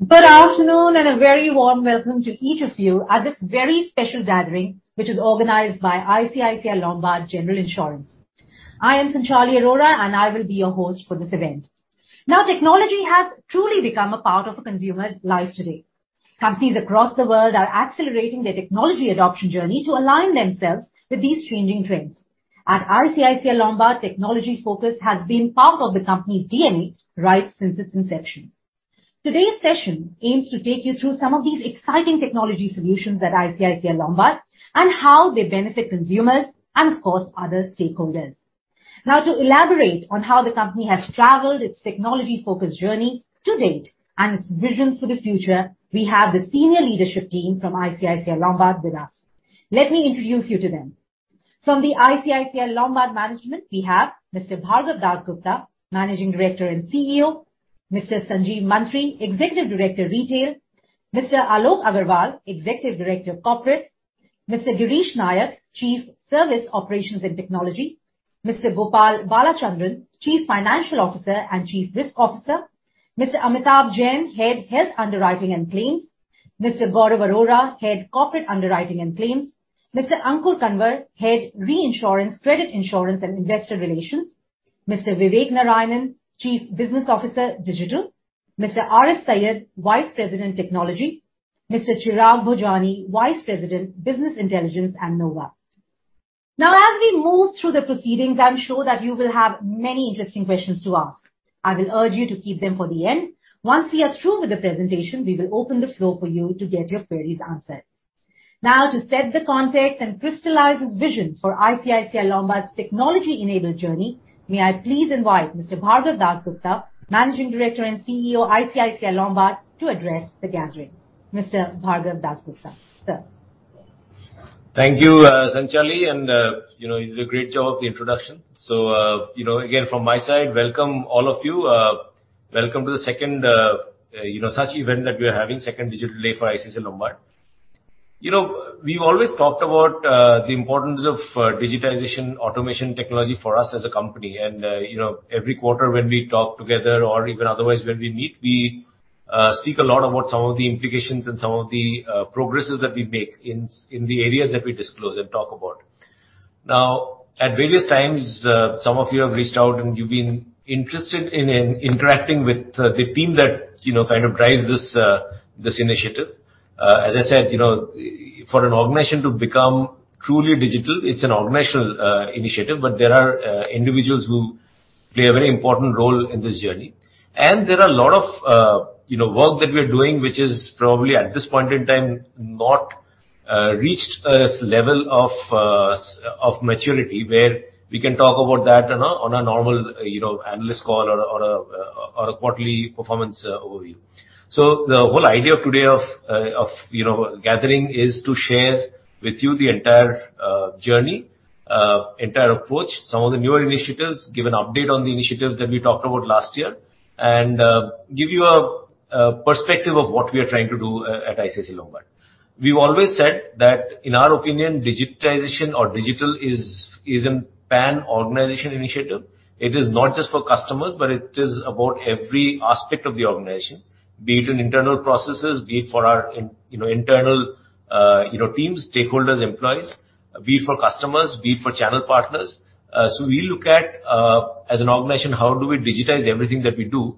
Good afternoon and a very warm welcome to each of you at this very special gathering, which is organized by ICICI Lombard General Insurance. I am Sanchali Arora, and I will be your host for this event. Now, technology has truly become a part of a consumer's life today. Companies across the world are accelerating their technology adoption journey to align themselves with these changing trends. At ICICI Lombard, technology focus has been part of the company's DNA right since its inception. Today's session aims to take you through some of these exciting technology solutions at ICICI Lombard and how they benefit consumers and, of course, other stakeholders. Now, to elaborate on how the company has traveled its technology-focused journey to date and its visions for the future, we have the senior leadership team from ICICI Lombard with us. Let me introduce you to them. From the ICICI Lombard management, we have Mr. Bhargav Dasgupta, Managing Director and CEO. Mr. Sanjeev Mantri, Executive Director, Retail. Mr. Alok Agarwal, Executive Director, Corporate. Mr. Girish Nayak, Chief Service Operations and Technology. Mr. Gopal Balachandran, Chief Financial Officer and Chief Risk Officer. Mr. Amitabh Jain, Head, Health Underwriting and Claims. Mr. Gaurav Arora, Head, Corporate Underwriting and Claims. Mr. Ankur Kanwar, Head, Reinsurance, Credit Insurance and Investor Relations. Mr. Vivek Narayanan, Chief Business Officer, Digital. Mr. Arif Sayed, Vice President, Technology. Mr. Chirag Bhojani, Vice President, Business Intelligence and Nova. Now, as we move through the proceedings, I'm sure that you will have many interesting questions to ask. I will urge you to keep them for the end. Once we are through with the presentation, we will open the floor for you to get your queries answered. Now to set the context and crystallize this vision for ICICI Lombard's technology-enabled journey, may I please invite Mr. Bhargav Dasgupta, Managing Director and CEO, ICICI Lombard, to address the gathering. Mr. Bhargav Dasgupta, sir. Thank you, Sanchali, and you know, you did a great job with the introduction. From my side, welcome all of you. Welcome to the second such event that we're having, second digital day for ICICI Lombard. You know, we've always talked about the importance of digitization, automation technology for us as a company. Every quarter when we talk together or even otherwise when we meet, we speak a lot about some of the implications and some of the progresses that we make in the areas that we disclose and talk about. Now, at various times, some of you have reached out, and you've been interested in interacting with the team that you know, kind of drives this initiative. As I said, you know, for an organization to become truly digital, it's an organizational initiative, but there are individuals who play a very important role in this journey. There are a lot of, you know, work that we're doing, which is probably at this point in time, not reached a level of maturity where we can talk about that on a normal, you know, analyst call or a quarterly performance overview. The whole idea of today's gathering is to share with you the entire journey, entire approach, some of the newer initiatives, give an update on the initiatives that we talked about last year and give you a perspective of what we are trying to do at ICICI Lombard. We've always said that in our opinion, digitization or digital is a pan-organization initiative. It is not just for customers, but it is about every aspect of the organization, be it in internal processes, be it for our internal, you know, teams, stakeholders, employees, be it for customers, be it for channel partners. We look at, as an organization, how do we digitize everything that we do,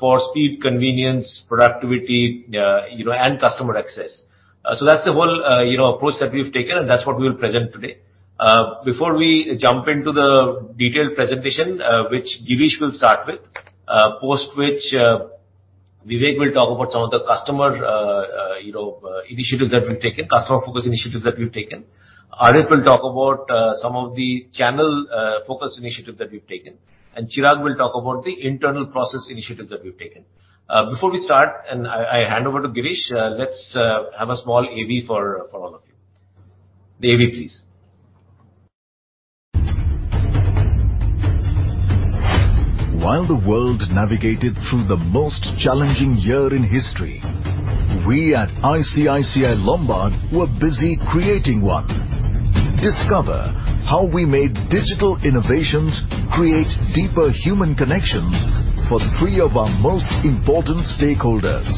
for speed, convenience, productivity, you know, and customer access. That's the whole, you know, approach that we've taken, and that's what we'll present today. Before we jump into the detailed presentation, which Girish will start with, post which, Vivek will talk about some of the customer, you know, initiatives that we've taken, customer focus initiatives that we've taken. Arif will talk about some of the channel focus initiative that we've taken, and Chirag will talk about the internal process initiatives that we've taken. Before we start and I hand over to Girish, let's have a small AV for all of you. The AV, please. While the world navigated through the most challenging year in history, we at ICICI Lombard were busy creating one. Discover how we made digital innovations create deeper human connections for three of our most important stakeholders.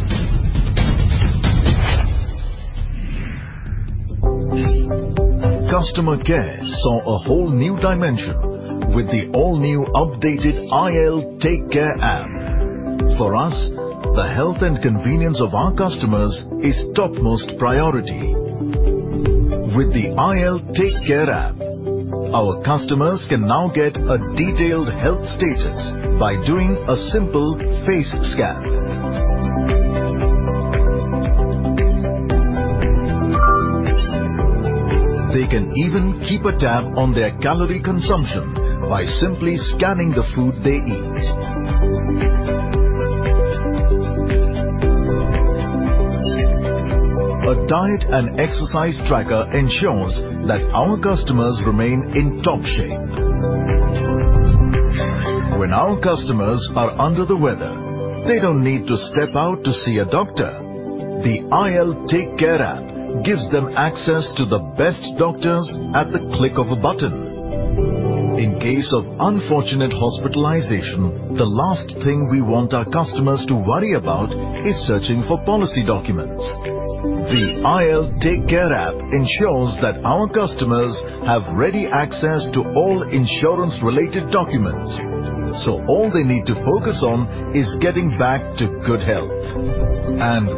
Customer care saw a whole new dimension with the all-new updated IL TakeCare app. For us, the health and convenience of our customers is topmost priority. With the IL TakeCare app, our customers can now get a detailed health status by doing a simple FaceScan. They can even keep a tab on their calorie consumption by simply scanning the food they eat. A diet and exercise tracker ensures that our customers remain in top shape. When our customers are under the weather, they don't need to step out to see a doctor. The IL TakeCare app gives them access to the best doctors at the click of a button. In case of unfortunate hospitalization, the last thing we want our customers to worry about is searching for policy documents. The IL TakeCare app ensures that our customers have ready access to all insurance-related documents, so all they need to focus on is getting back to good health.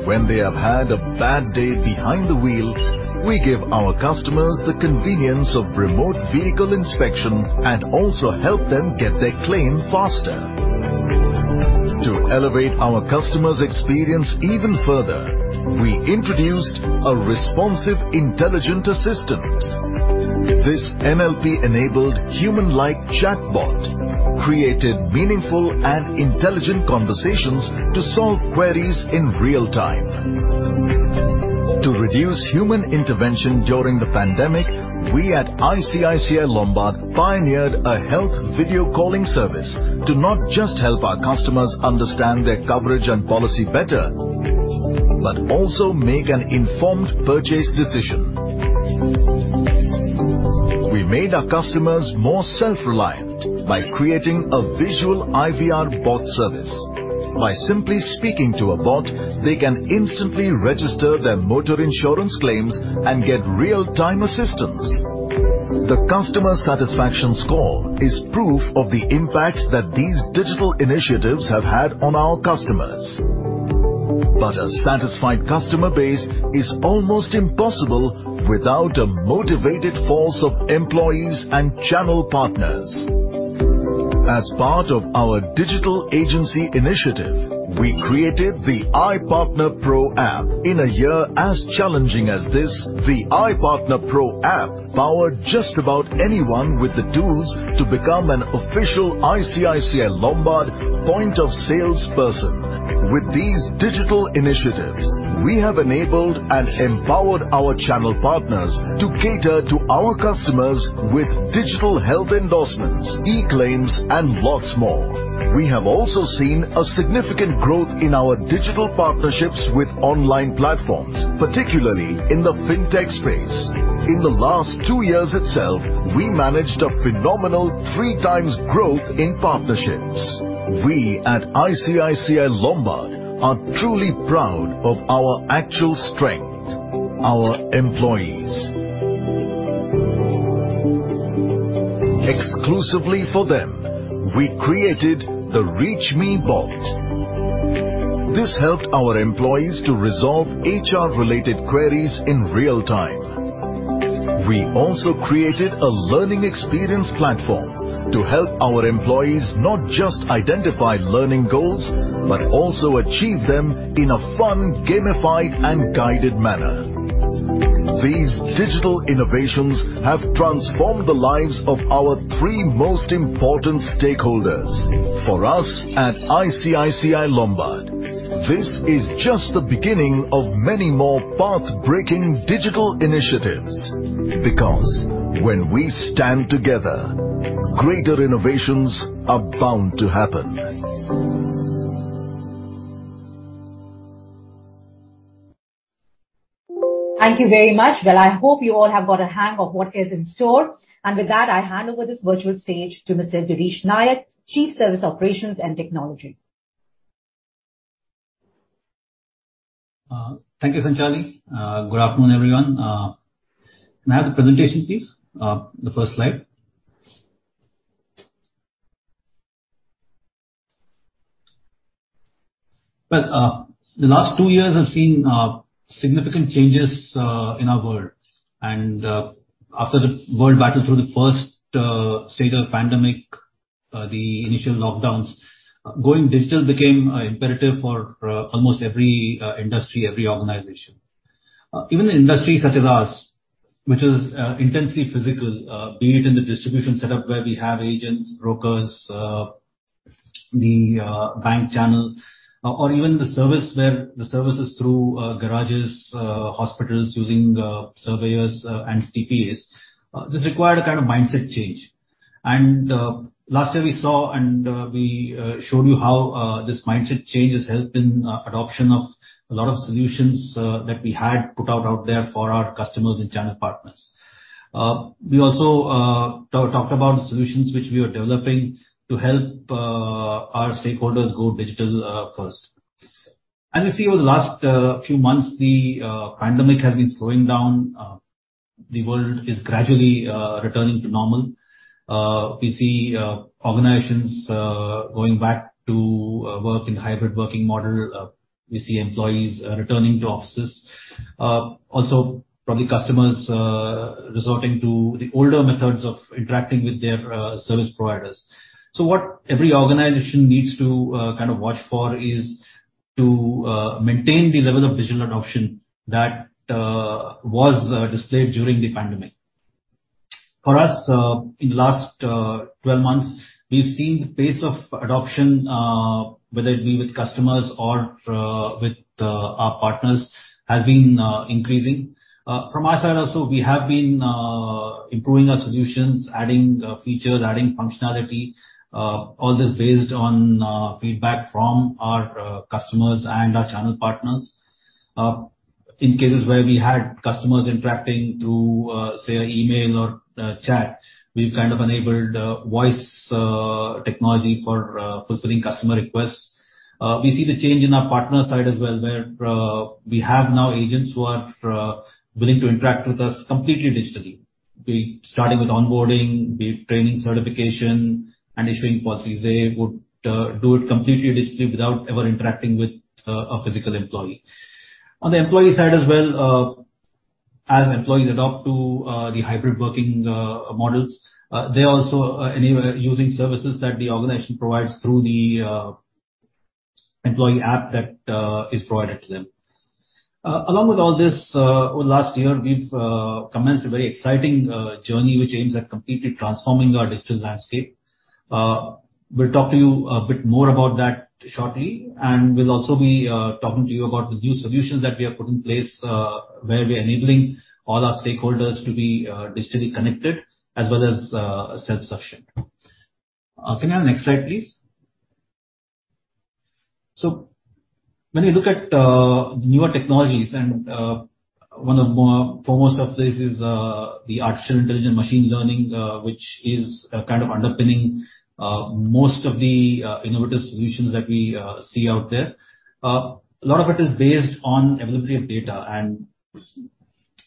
When they have had a bad day behind the wheel, we give our customers the convenience of remote vehicle inspection and also help them get their claim faster. To elevate our customers' experience even further, we introduced a responsive, intelligent assistant. This NLP-enabled human-like chatbot created meaningful and intelligent conversations to solve queries in real time. To reduce human intervention during the pandemic, we at ICICI Lombard pioneered a health video calling service to not just help our customers understand their coverage and policy better, but also make an informed purchase decision. We made our customers more self-reliant by creating a visual IVR bot service. By simply speaking to a bot, they can instantly register their motor insurance claims and get real-time assistance. The customer satisfaction score is proof of the impact that these digital initiatives have had on our customers. A satisfied customer base is almost impossible without a motivated force of employees and channel partners. As part of our digital agency initiative, we created the iPartner Pro app. In a year as challenging as this, the iPartner Pro app powered just about anyone with the tools to become an official ICICI Lombard point of salesperson. With these digital initiatives, we have enabled and empowered our channel partners to cater to our customers with digital health endorsements, e-claims, and lots more. We have also seen a significant growth in our digital partnerships with online platforms, particularly in the fintech space. In the last two years itself, we managed a phenomenal 3x growth in partnerships. We at ICICI Lombard are truly proud of our actual strength, our employees. Exclusively for them, we created the Reach Me bot. This helped our employees to resolve HR-related queries in real time. We also created a learning experience platform to help our employees not just identify learning goals, but also achieve them in a fun, gamified, and guided manner. These digital innovations have transformed the lives of our three most important stakeholders. For us at ICICI Lombard, this is just the beginning of many more path-breaking digital initiatives. Because when we stand together, greater innovations are bound to happen. Thank you very much. Well, I hope you all have got a hang of what is in store. With that, I hand over this virtual stage to Mr. Girish Nayak, Chief Service Operations and Technology. Thank you, Sanchali. Good afternoon, everyone. Can I have the presentation, please? The first slide. Well, the last two years have seen significant changes in our world. After the world battled through the first stage of pandemic, the initial lockdowns, going digital became imperative for almost every industry, every organization. Even an industry such as ours, which is intensely physical, be it in the distribution setup where we have agents, brokers, the bank channel or even the service where the services through garages, hospitals using surveyors and TPAs. This required a kind of mindset change. Last year we saw and we showed you how this mindset change has helped in adoption of a lot of solutions that we had put out there for our customers and channel partners. We also talked about the solutions which we are developing to help our stakeholders go digital first. As you see over the last few months the pandemic has been slowing down. The world is gradually returning to normal. We see organizations going back to work in hybrid working model. We see employees returning to offices. Also probably customers resorting to the older methods of interacting with their service providers. What every organization needs to kind of watch for is to maintain the level of digital adoption that was displayed during the pandemic. For us, in the last 12 months, we've seen the pace of adoption, whether it be with customers or with our partners, has been increasing. From our side also, we have been improving our solutions, adding features, adding functionality. All this based on feedback from our customers and our channel partners. In cases where we had customers interacting through, say, an email or chat, we've kind of enabled voice technology for fulfilling customer requests. We see the change in our partner side as well, where we have now agents who are willing to interact with us completely digitally. Starting with onboarding, be it training, certification, and issuing policies, they would do it completely digitally without ever interacting with a physical employee. On the employee side as well, as employees adapt to the hybrid working models, they're also using services that the organization provides through the employee app that is provided to them. Along with all this, over last year, we've commenced a very exciting journey which aims at completely transforming our digital landscape. We'll talk to you a bit more about that shortly, and we'll also be talking to you about the new solutions that we have put in place, where we're enabling all our stakeholders to be digitally connected as well as self-sufficient. Can I have the next slide, please? When you look at newer technologies, one of the foremost of this is the artificial intelligence machine learning, which is kind of underpinning most of the innovative solutions that we see out there. A lot of it is based on availability of data.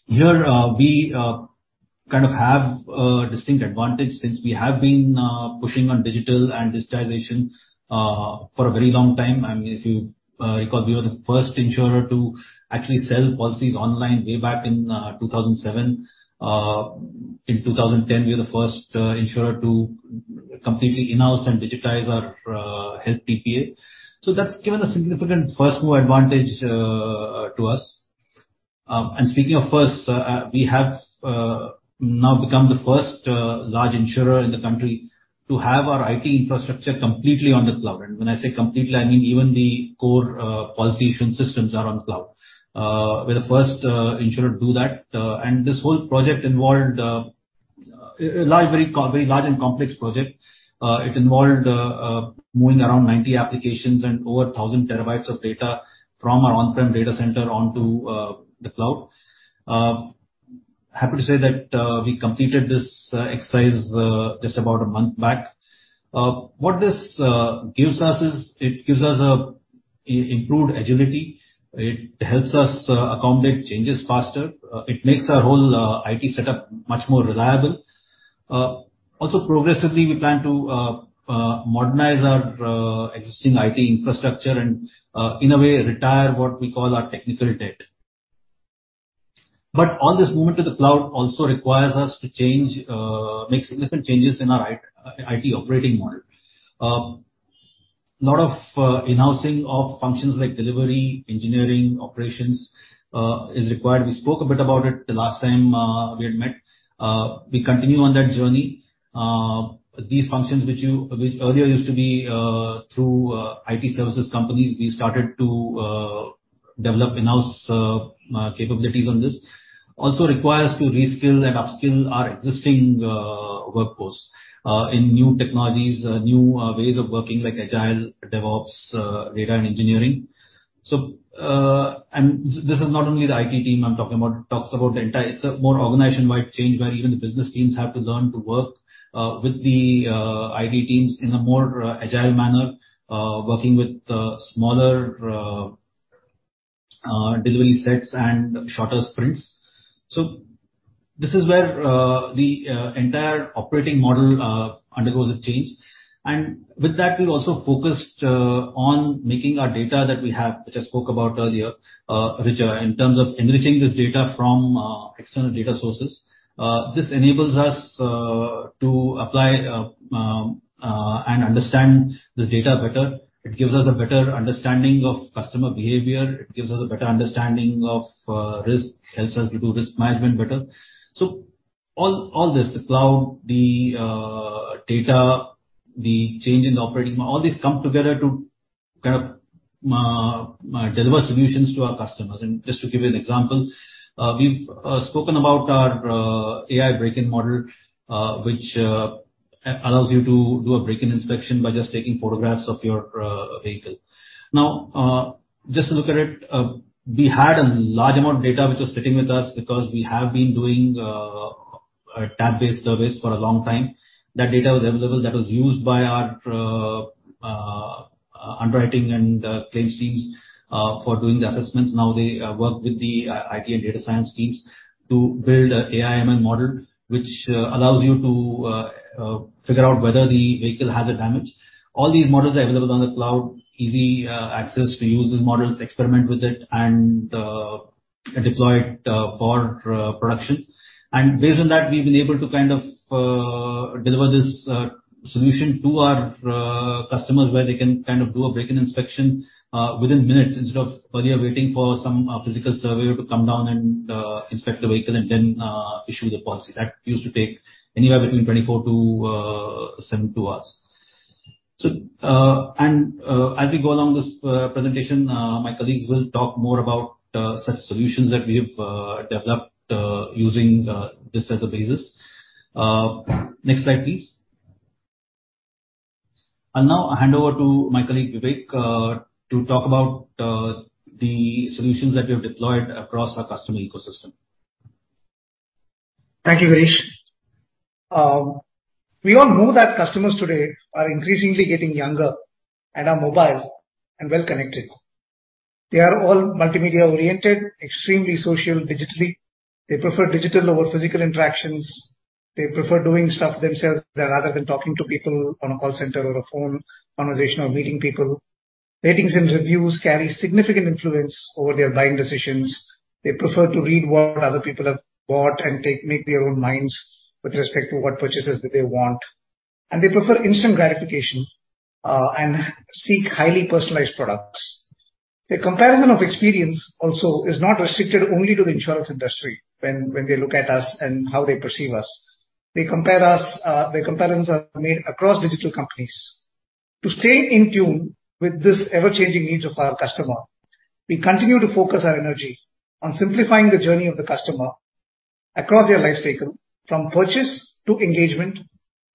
Here we kind of have a distinct advantage since we have been pushing on digital and digitization for a very long time. I mean, if you recall, we were the first insurer to actually sell policies online way back in 2007. In 2010, we were the first insurer to completely in-house and digitize our health PPN. That's given a significant first-mover advantage to us. Speaking of first, we have now become the first large insurer in the country to have our IT infrastructure completely on the cloud. When I say completely, I mean even the core policy issue systems are on the cloud. We're the first insurer to do that. This whole project involved a very large and complex project. It involved moving around 90 applications and over 1,000 TB of data from our on-prem data center onto the cloud. Happy to say that we completed this exercise just about a month back. What this gives us is, it gives us improved agility. It helps us accommodate changes faster. It makes our whole IT setup much more reliable. Also progressively, we plan to modernize our existing IT infrastructure and in a way retire what we call our technical debt. All this movement to the cloud also requires us to make significant changes in our IT operating model. A lot of in-housing of functions like delivery, engineering, operations is required. We spoke a bit about it the last time we had met. We continue on that journey. These functions which earlier used to be through IT services companies, we started to develop in-house capabilities on this. It also requires to reskill and upskill our existing workforce in new technologies, new ways of working like agile, DevOps, data and engineering. This is not only the IT team I'm talking about. It's a more organization-wide change where even the business teams have to learn to work with the IT teams in a more agile manner, working with smaller delivery sets and shorter sprints. This is where the entire operating model undergoes a change. With that, we've also focused on making our data that we have, which I spoke about earlier, richer in terms of enriching this data from external data sources. This enables us to apply and understand this data better. It gives us a better understanding of customer behavior. It gives us a better understanding of risk, helps us to do risk management better. All this, the cloud, the data, the change in the operating model, all these come together to kind of deliver solutions to our customers. Just to give you an example, we've spoken about our AI break-in model, which allows you to do a break-in inspection by just taking photographs of your vehicle. Now, just to look at it, we had a large amount of data which was sitting with us because we have been doing a tab-based service for a long time. That data was available. That was used by our underwriting and claims teams for doing the assessments. Now they work with the IT and data science teams to build an AI/ML model, which allows you to figure out whether the vehicle has a damage. All these models are available on the cloud, easy access to use these models, experiment with it and deploy it for production. Based on that, we've been able to kind of deliver this solution to our customers where they can kind of do a break-in inspection within minutes instead of earlier waiting for some physical surveyor to come down and inspect the vehicle and then issue the policy. That used to take anywhere between 24-72 hours. As we go along this presentation, my colleagues will talk more about such solutions that we have developed using this as a basis. Next slide please. I'll now hand over to my colleague, Vivek, to talk about the solutions that we have deployed across our customer ecosystem. Thank you, Girish. We all know that customers today are increasingly getting younger and are mobile and well connected. They are all multimedia-oriented, extremely social digitally. They prefer digital over physical interactions. They prefer doing stuff themselves rather than talking to people on a call center or a phone conversation or meeting people. Ratings and reviews carry significant influence over their buying decisions. They prefer to read what other people have bought and make their own minds with respect to what purchases that they want. They prefer instant gratification and seek highly personalized products. The comparison of experience also is not restricted only to the insurance industry when they look at us and how they perceive us. They compare us, their comparisons are made across digital companies. To stay in tune with this ever-changing needs of our customer, we continue to focus our energy on simplifying the journey of the customer across their life cycle from purchase to engagement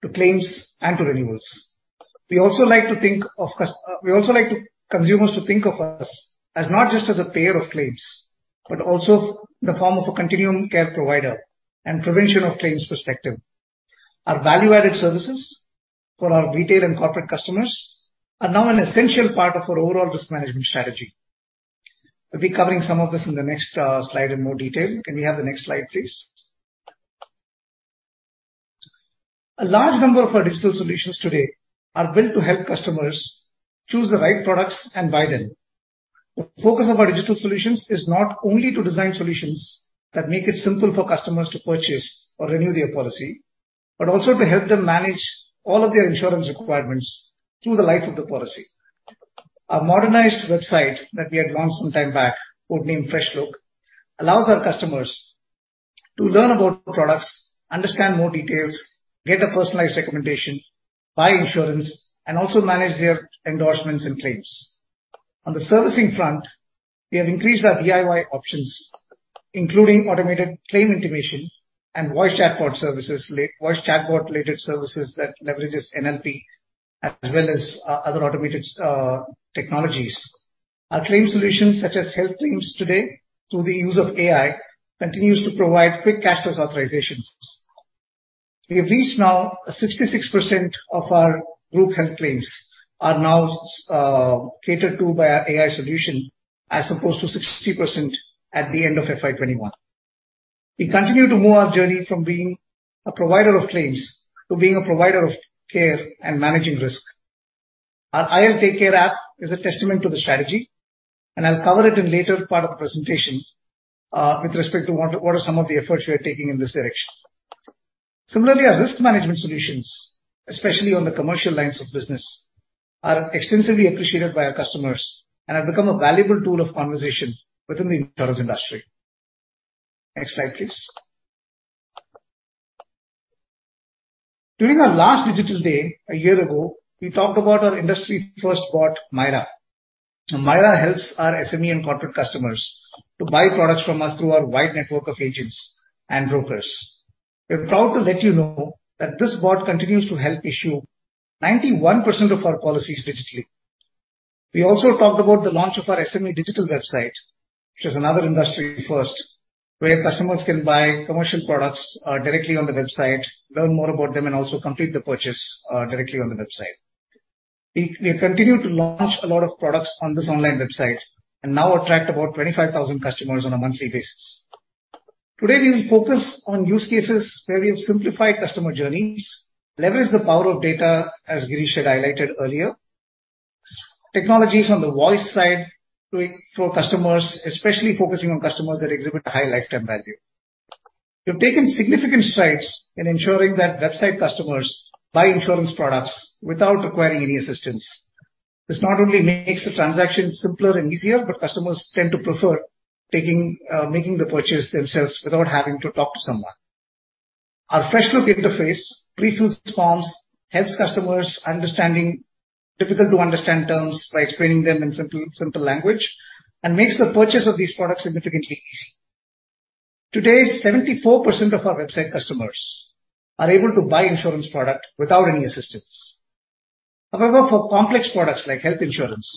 to claims and to renewals. We also like consumers to think of us as not just as a payer of claims, but also in the form of a continuum care provider and prevention of claims perspective. Our value-added services for our retail and corporate customers are now an essential part of our overall risk management strategy. I'll be covering some of this in the next slide in more detail. Can we have the next slide, please? A large number of our digital solutions today are built to help customers choose the right products and buy them. The focus of our digital solutions is not only to design solutions that make it simple for customers to purchase or renew their policy, but also to help them manage all of their insurance requirements through the life of the policy. Our modernized website that we had launched some time back, code-named Fresh Look, allows our customers to learn about products, understand more details, get a personalized recommendation, buy insurance, and also manage their endorsements and claims. On the servicing front, we have increased our DIY options, including automated claim intimation and voice chatbot-related services that leverages NLP as well as other automated, technologies. Our claim solutions, such as health claims today through the use of AI, continues to provide quick cashless authorizations. We have reached now 66% of our group health claims are now catered to by our AI solution, as opposed to 60% at the end of FY 2021. We continue to move our journey from being a provider of claims to being a provider of care and managing risk. Our IL TakeCare app is a testament to the strategy, and I'll cover it in later part of the presentation, with respect to what are some of the efforts we are taking in this direction. Similarly, our risk management solutions, especially on the commercial lines of business, are extensively appreciated by our customers and have become a valuable tool of conversation within the insurance industry. Next slide, please. During our last digital day a year ago, we talked about our industry-first bot, MyRA. MyRA helps our SME and corporate customers to buy products from us through our wide network of agents and brokers. We're proud to let you know that this bot continues to help issue 91% of our policies digitally. We also talked about the launch of our SME digital website, which is another industry first, where customers can buy commercial products directly on the website, learn more about them and also complete the purchase directly on the website. We have continued to launch a lot of products on this online website and now attract about 25,000 customers on a monthly basis. Today, we will focus on use cases where we have simplified customer journeys, leveraged the power of data, as Girish had highlighted earlier, technologies on the voice side for customers, especially focusing on customers that exhibit a high lifetime value. We've taken significant strides in ensuring that website customers buy insurance products without requiring any assistance. This not only makes the transaction simpler and easier, but customers tend to prefer making the purchase themselves without having to talk to someone. Our Fresh Look interface pre-fills forms, helps customers understanding difficult to understand terms by explaining them in simple language and makes the purchase of these products significantly easy. Today, 74% of our website customers are able to buy insurance product without any assistance. However, for complex products like health insurance,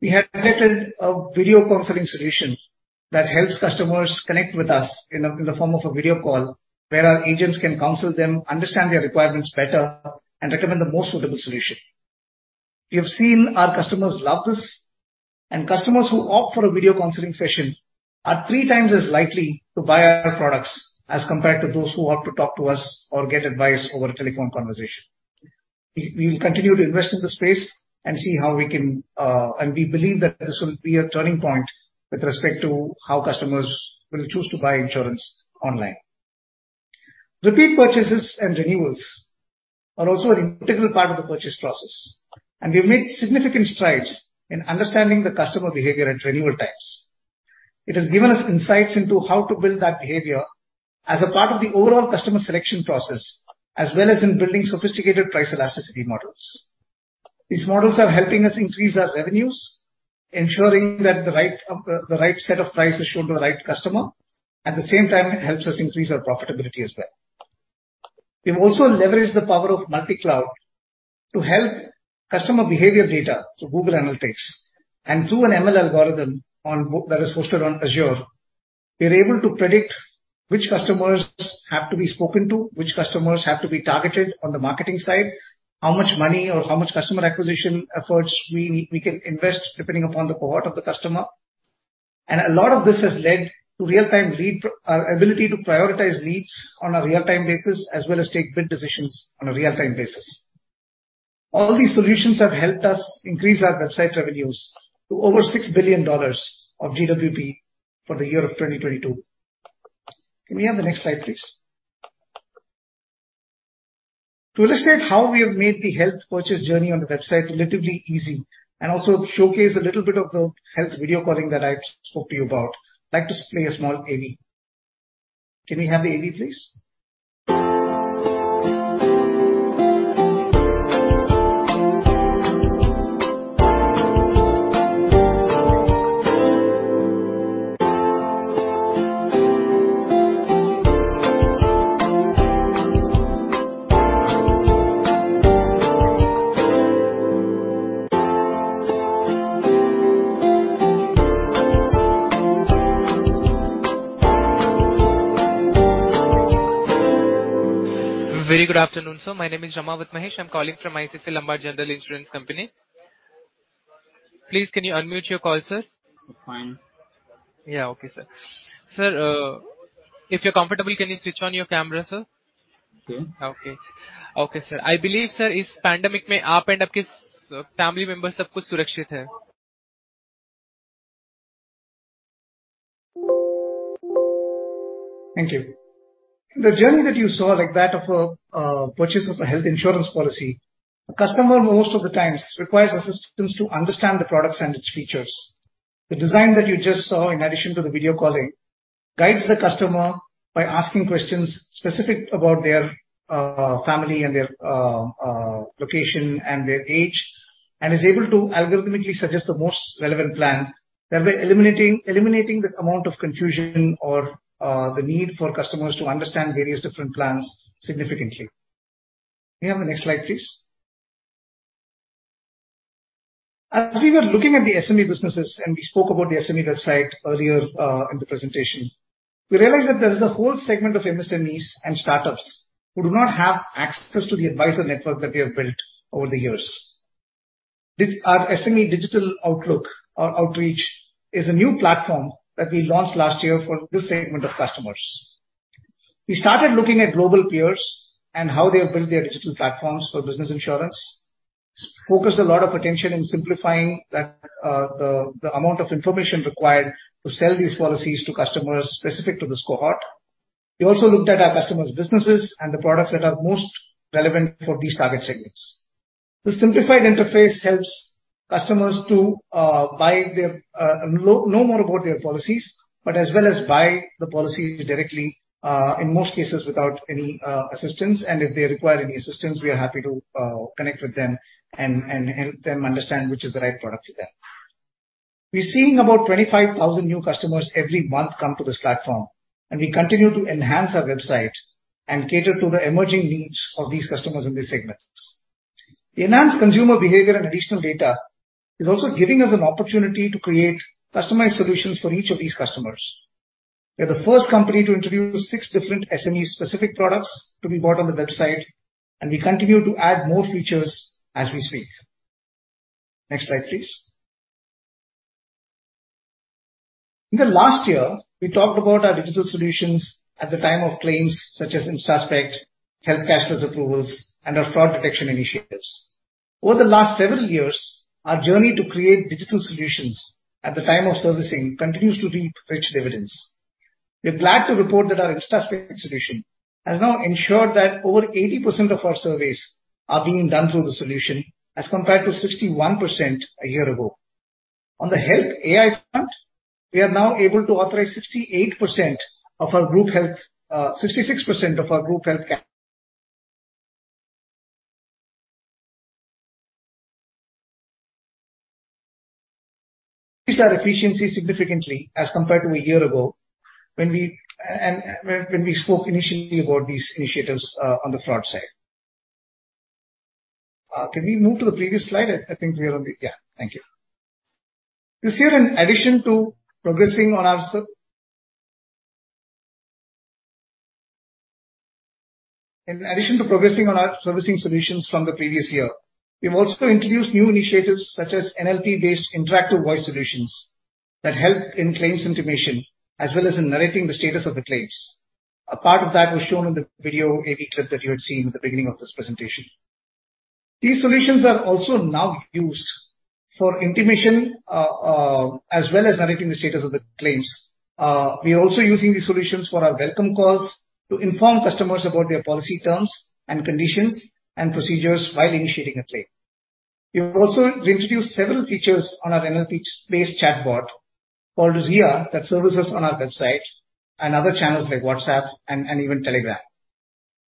we have created a video counseling solution that helps customers connect with us in the form of a video call, where our agents can counsel them, understand their requirements better and recommend the most suitable solution. We have seen our customers love this, and customers who opt for a video counseling session are three times as likely to buy our products as compared to those who want to talk to us or get advice over a telephone conversation. We will continue to invest in this space and see how we can. We believe that this will be a turning point with respect to how customers will choose to buy insurance online. Repeat purchases and renewals are also an integral part of the purchase process, and we've made significant strides in understanding the customer behavior and renewal times. It has given us insights into how to build that behavior as a part of the overall customer selection process, as well as in building sophisticated price elasticity models. These models are helping us increase our revenues. Ensuring that the right set of prices show the right customer. At the same time, it helps us increase our profitability as well. We've also leveraged the power of multi-cloud to help customer behavior data, so Google Analytics. Through an ML algorithm that is hosted on Azure, we are able to predict which customers have to be spoken to, which customers have to be targeted on the marketing side, how much money or how much customer acquisition efforts we can invest depending upon the cohort of the customer. A lot of this has led to real-time ability to prioritize leads on a real-time basis, as well as take bid decisions on a real-time basis. All these solutions have helped us increase our website revenues to over $6 billion of GWP for the year 2022. Can we have the next slide, please? To illustrate how we have made the health purchase journey on the website relatively easy and also showcase a little bit of the health video calling that I spoke to you about, I'd like to play a small AV. Can we have the AV, please? Very good afternoon, sir. My name is Rama Mahesh. I'm calling from ICICI Lombard General Insurance Company. Please can you unmute your call, sir? Fine. Yeah. Okay, sir. Sir, if you're comfortable, can you switch on your camera, sir? Okay. Okay. Okay, sir. I believe, sir. Thank you. The journey that you saw, like that of a purchase of a health insurance policy, a customer most of the times requires assistance to understand the products and its features. The design that you just saw, in addition to the video calling, guides the customer by asking questions specific about their family and their location and their age, and is able to algorithmically suggest the most relevant plan, thereby eliminating the amount of confusion or the need for customers to understand various different plans significantly. May I have the next slide, please? As we were looking at the SME businesses and we spoke about the SME website earlier, in the presentation, we realized that there is a whole segment of MSMEs and startups who do not have access to the advisor network that we have built over the years. Our SME digital outlook or outreach is a new platform that we launched last year for this segment of customers. We started looking at global peers and how they have built their digital platforms for business insurance. Focused a lot of attention in simplifying the amount of information required to sell these policies to customers specific to this cohort. We also looked at our customers' businesses and the products that are most relevant for these target segments. The simplified interface helps customers to know more about their policies, but as well as buy the policies directly in most cases without any assistance. If they require any assistance, we are happy to connect with them and help them understand which is the right product for them. We're seeing about 25,000 new customers every month come to this platform, and we continue to enhance our website and cater to the emerging needs of these customers in these segments. Enhanced consumer behavior and additional data is also giving us an opportunity to create customized solutions for each of these customers. We're the first company to introduce six different SME-specific products to be bought on the website, and we continue to add more features as we speak. Next slide, please. In the last year, we talked about our digital solutions at the time of claims such as InstaSpect, health cashless approvals and our fraud detection initiatives. Over the last several years, our journey to create digital solutions at the time of servicing continues to reap rich dividends. We're glad to report that our InstaSpect solution has now ensured that over 80% of our surveys are being done through the solution, as compared to 61% a year ago. On the health AI front, we are now able to authorize 68% of our group health, increase our efficiency significantly as compared to a year ago when we spoke initially about these initiatives, on the fraud side. Can we move to the previous slide? I think we are on the. Yeah. Thank you. This year in addition to progressing on our servicing solutions from the previous year, we've also introduced new initiatives such as NLP-based interactive voice solutions that help in claims intimation as well as in narrating the status of the claims. A part of that was shown in the video AV clip that you had seen at the beginning of this presentation. These solutions are also now used for intimation as well as narrating the status of the claims. We are also using these solutions for our welcome calls to inform customers about their policy terms and conditions and procedures while initiating a claim. We've also reintroduce several features on our NLP-based chatbot called RIA that services on our website and other channels like WhatsApp and even Telegram.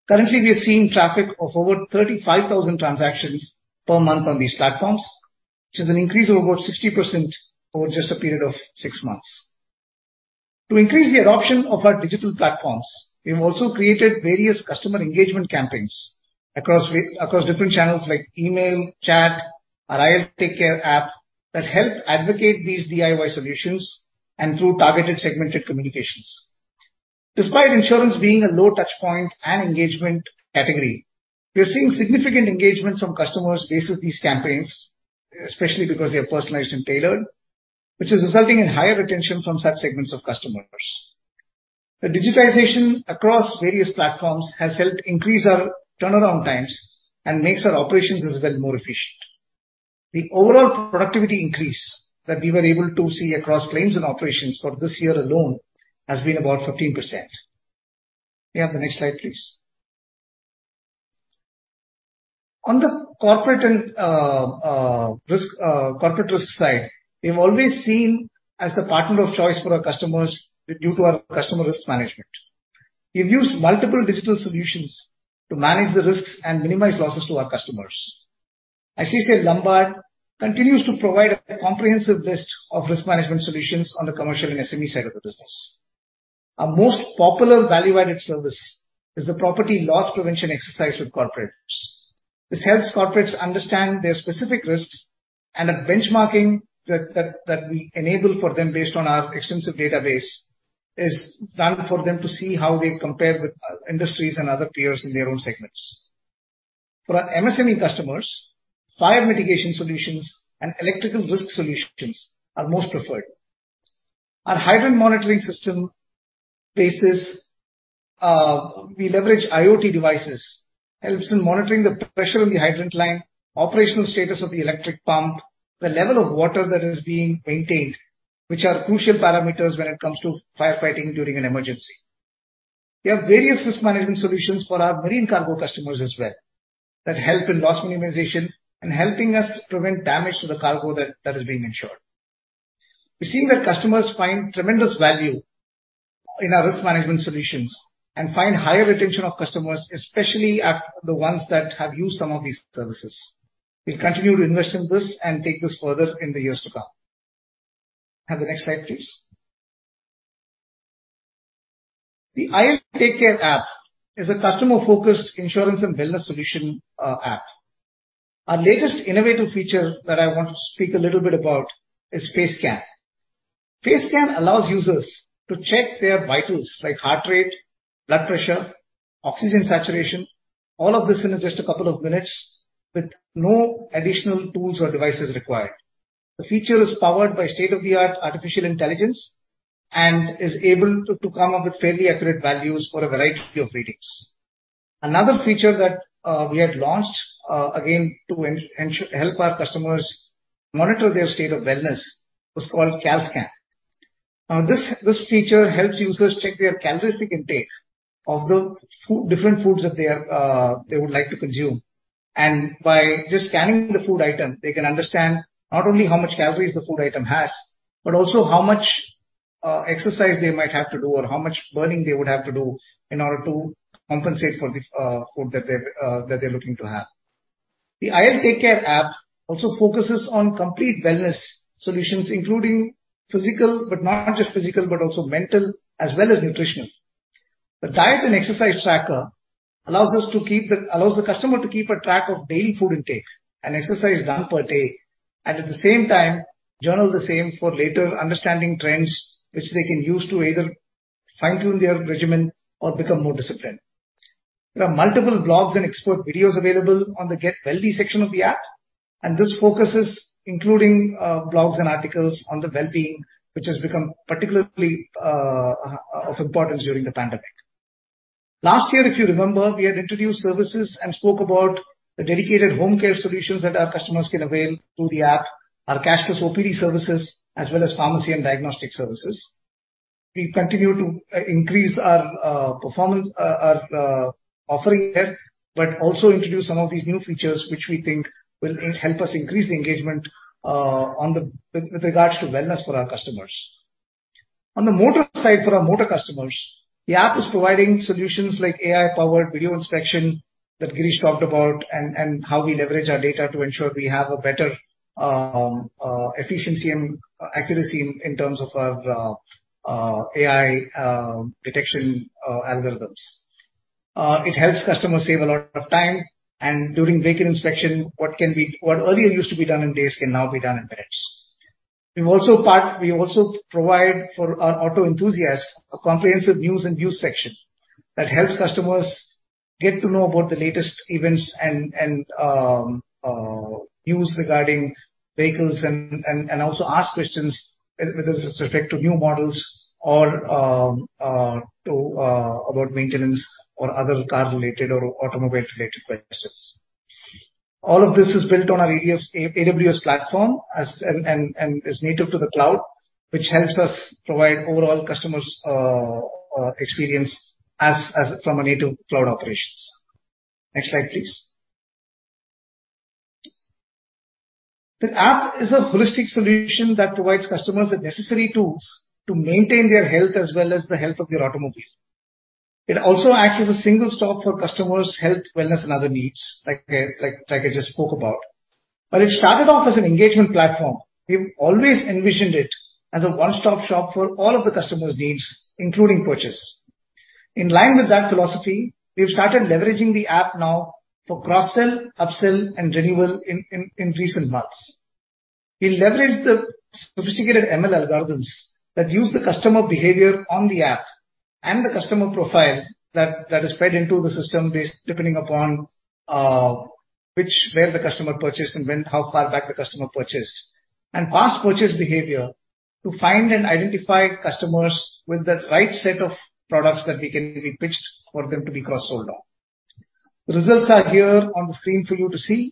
Currently, we are seeing traffic of over 35,000 transactions per month on these platforms, which is an increase of over 60% over just a period of six months. To increase the adoption of our digital platforms, we've also created various customer engagement campaigns across different channels like email, chat, our IL TakeCare app, that help advocate these DIY solutions and through targeted segmented communications. Despite insurance being a low touchpoint and engagement category, we are seeing significant engagement from customers based on these campaigns, especially because they are personalized and tailored, which is resulting in higher retention from such segments of customers. The digitization across various platforms has helped increase our turnaround times and makes our operations as well more efficient. The overall productivity increase that we were able to see across claims and operations for this year alone has been about 15%. May I have the next slide, please. On the corporate risk side, we've always seen as the partner of choice for our customers due to our customer risk management. We've used multiple digital solutions to manage the risks and minimize losses to our customers. ICICI Lombard continues to provide a comprehensive list of risk management solutions on the commercial and SME side of the business. Our most popular value-added service is the property loss prevention exercise with corporates. This helps corporates understand their specific risks and a benchmarking that we enable for them based on our extensive database is done for them to see how they compare with other industries and other peers in their own segments. For our MSME customers, fire mitigation solutions and electrical risk solutions are most preferred. Our hydrant monitoring system bases, we leverage IoT devices, helps in monitoring the pressure on the hydrant line, operational status of the electric pump, the level of water that is being maintained, which are crucial parameters when it comes to firefighting during an emergency. We have various risk management solutions for our marine cargo customers as well that help in loss minimization and helping us prevent damage to the cargo that is being insured. We're seeing that customers find tremendous value in our risk management solutions and find higher retention of customers, especially at the ones that have used some of these services. We'll continue to invest in this and take this further in the years to come. Have the next slide, please. The IL TakeCare app is a customer-focused insurance and wellness solution, app. Our latest innovative feature that I want to speak a little bit about is FaceScan. FaceScan allows users to check their vitals like heart rate, blood pressure, oxygen saturation, all of this in just a couple of minutes with no additional tools or devices required. The feature is powered by state-of-the-art artificial intelligence and is able to come up with fairly accurate values for a variety of readings. Another feature that we had launched, again, to help our customers monitor their state of wellness was called CalScan. Now this feature helps users check their calorific intake of the food, different foods that they would like to consume. By just scanning the food item, they can understand not only how much calories the food item has, but also how much exercise they might have to do or how much burning they would have to do in order to compensate for the food that they're looking to have. The IL TakeCare app also focuses on complete wellness solutions including physical, but not just physical, but also mental, as well as nutritional. The diet and exercise tracker allows the customer to keep a track of daily food intake and exercise done per day, and at the same time journal the same for later understanding trends which they can use to either fine-tune their regimen or become more disciplined. There are multiple blogs and expert videos available on the Get Wellie section of the app, and this focuses, including blogs and articles on the well-being, which has become particularly of importance during the pandemic. Last year, if you remember, we had introduced services and spoke about the dedicated home care solutions that our customers can avail through the app, our cashless OPD services, as well as pharmacy and diagnostic services. We continue to increase our offering there, but also introduce some of these new features which we think will help us increase the engagement with regards to wellness for our customers. On the motor side for our motor customers, the app is providing solutions like AI-powered video inspection that Girish talked about, and how we leverage our data to ensure we have a better efficiency and accuracy in terms of our AI detection algorithms. It helps customers save a lot of time and during vehicle inspection, what earlier used to be done in days can now be done in minutes. We also provide for our auto enthusiasts a comprehensive news and view section that helps customers get to know about the latest events and news regarding vehicles and also ask questions with respect to new models or to about maintenance or other car-related or automobile-related questions. All of this is built on our AWS platform and is native to the cloud, which helps us provide overall customers experience as from a native cloud operations. Next slide, please. The app is a holistic solution that provides customers the necessary tools to maintain their health as well as the health of their automobile. It also acts as a single stop for customers health, wellness, and other needs, like I just spoke about. While it started off as an engagement platform, we've always envisioned it as a one-stop shop for all of the customers' needs, including purchase. In line with that philosophy, we've started leveraging the app now for cross-sell, up-sell, and renewal in recent months. We leverage the sophisticated ML algorithms that use the customer behavior on the app and the customer profile that is fed into the system based depending upon where the customer purchased and how far back the customer purchased, and past purchase behavior to find and identify customers with the right set of products that we can be pitched for them to be cross-sold on. The results are here on the screen for you to see.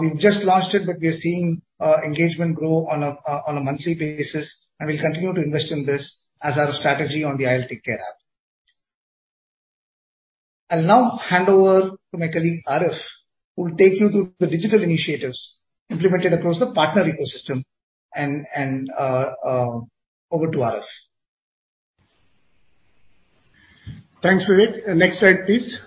We've just launched it, but we are seeing engagement grow on a monthly basis, and we'll continue to invest in this as our strategy on the IL TakeCare app. I'll now hand over to my colleague, Arif, who will take you through the digital initiatives implemented across the partner ecosystem over to Arif. Thanks, Vivek. Next slide, please.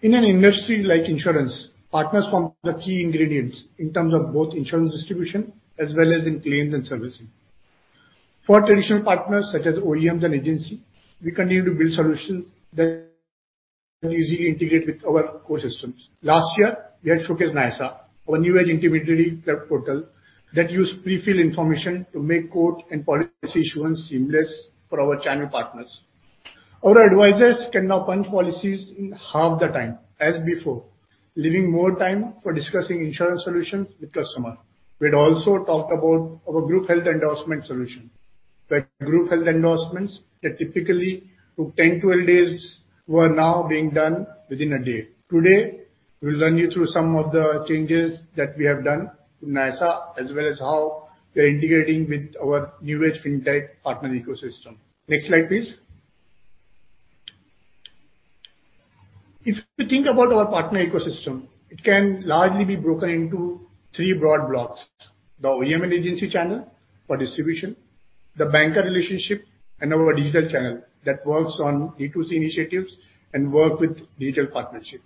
In an industry like insurance, partners form the key ingredients in terms of both insurance distribution as well as in claims and servicing. For traditional partners such as OEMs and agencies, we continue to build solutions that easily integrate with our core systems. Last year, we had showcased NISA, our new age intermediary portal that uses pre-fill information to make quote and policy issuance seamless for our channel partners. Our advisors can now punch policies in half the time as before, leaving more time for discussing insurance solutions with customers. We had also talked about our group health endorsement solution, where group health endorsements that typically took 10-12 days were now being done within a day. Today, we'll run you through some of the changes that we have done to NISA as well as how we are integrating with our new age fintech partner ecosystem. Next slide, please. If you think about our partner ecosystem, it can largely be broken into three broad blocks: the OEM and agency channel for distribution, the banker relationship, and our digital channel that works on E2C initiatives and work with digital partnership.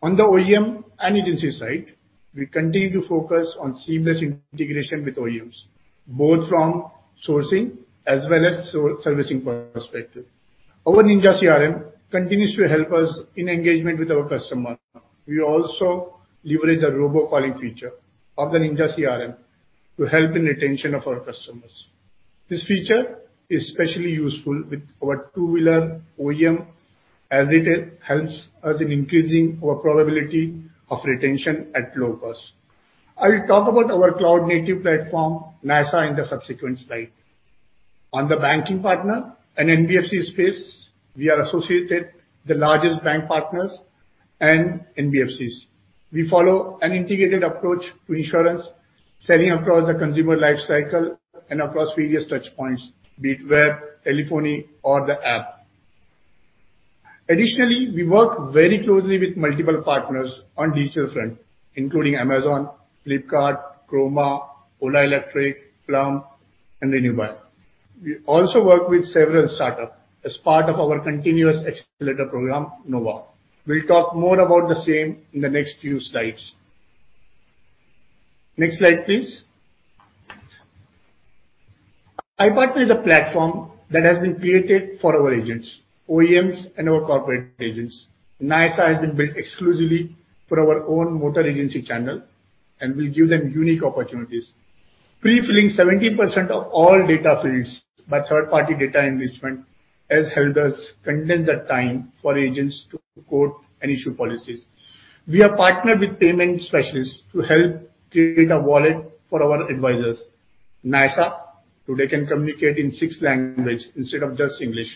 On the OEM and agency side, we continue to focus on seamless integration with OEMs, both from sourcing as well as servicing perspective. Our NinjaCRM continues to help us in engagement with our customer. We also leverage a robocalling feature of the NinjaCRM to help in retention of our customers. This feature is especially useful with our two-wheeler OEM as it helps us in increasing our probability of retention at low cost. I will talk about our cloud-native platform, NISA, in the subsequent slide. On the banking partner and NBFC space, we are associated with the largest bank partners and NBFCs. We follow an integrated approach to insurance, selling across the consumer life cycle and across various touch points, be it web, telephony, or the app. Additionally, we work very closely with multiple partners on the digital front, including Amazon, Flipkart, Croma, Ola Electric, Plum, and RenewBuy. We also work with several startups as part of our continuous accelerator program, Nova. We'll talk more about the same in the next few slides. Next slide, please. iPartner is a platform that has been created for our agents, OEMs and our corporate agents. NISA has been built exclusively for our own motor agency channel, and we'll give them unique opportunities. Pre-filling 70% of all data fields by third-party data enrichment has helped us condense the time for agents to quote and issue policies. We are partnered with payment specialists to help create a wallet for our advisors. NISA today can communicate in six languages instead of just English.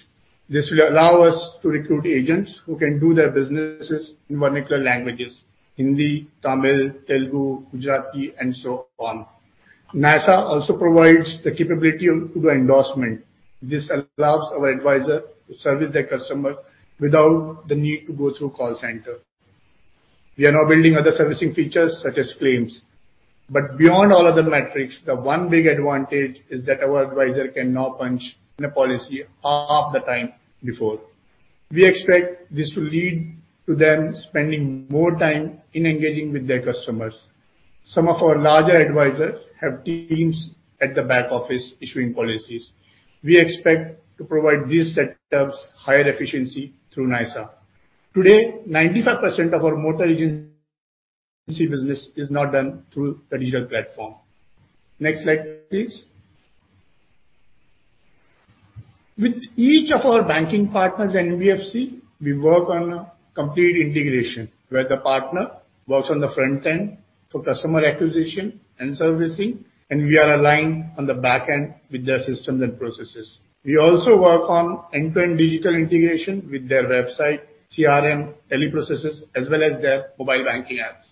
This will allow us to recruit agents who can do their businesses in vernacular languages, Hindi, Tamil, Telugu, Gujarati, and so on. NISA also provides the capability of doing endorsement. This allows our advisor to service their customer without the need to go through call center. We are now building other servicing features such as claims. Beyond all other metrics, the one big advantage is that our advisor can now punch in a policy half the time before. We expect this will lead to them spending more time in engaging with their customers. Some of our larger advisors have teams at the back office issuing policies. We expect to provide these setups higher efficiency through NISA. Today, 95% of our motor agency business is now done through the digital platform. Next slide, please. With each of our banking partners and NBFC, we work on a complete integration where the partner works on the front end for customer acquisition and servicing, and we are aligned on the back end with their systems and processes. We also work on end-to-end digital integration with their website, CRM, teleprocesses, as well as their mobile banking apps.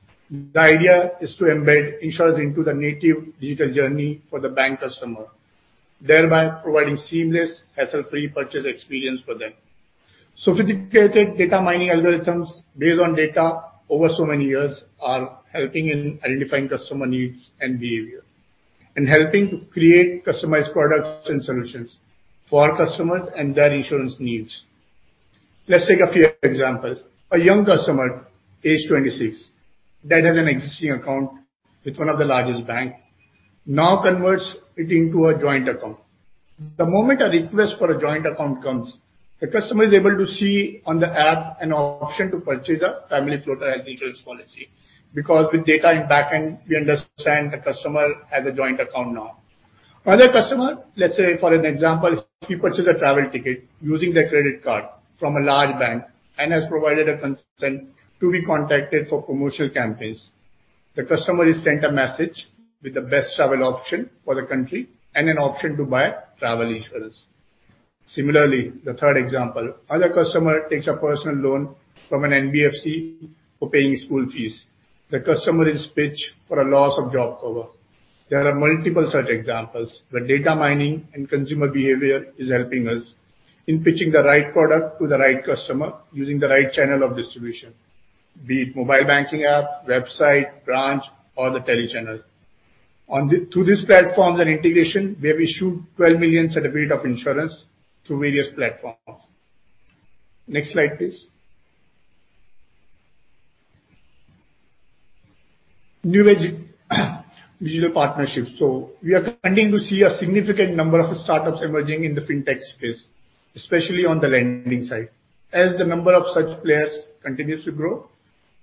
The idea is to embed insurance into the native digital journey for the bank customer, thereby providing seamless hassle-free purchase experience for them. Sophisticated data mining algorithms based on data over so many years are helping in identifying customer needs and behavior and helping to create customized products and solutions for our customers and their insurance needs. Let's take a few examples. A young customer, age 26, that has an existing account with one of the largest banks, now converts it into a joint account. The moment a request for a joint account comes, the customer is able to see on the app an option to purchase a family floater health insurance policy because with data in back-end, we understand the customer has a joint account now. Another customer, let's say for an example, if he purchases a travel ticket using their credit card from a large bank and has provided a consent to be contacted for commercial campaigns, the customer is sent a message with the best travel option for the country and an option to buy travel insurance. Similarly, the third example, other customer takes a personal loan from an NBFC for paying school fees. The customer is pitched for a loss of job cover. There are multiple such examples where data mining and consumer behavior is helping us in pitching the right product to the right customer using the right channel of distribution, be it mobile banking app, website, branch, or the telechannel. Through these platforms and integration, we have issued 12 million certificates of insurance through various platforms. Next slide, please. New age digital partnerships. We are continuing to see a significant number of startups emerging in the fintech space, especially on the lending side. As the number of such players continues to grow,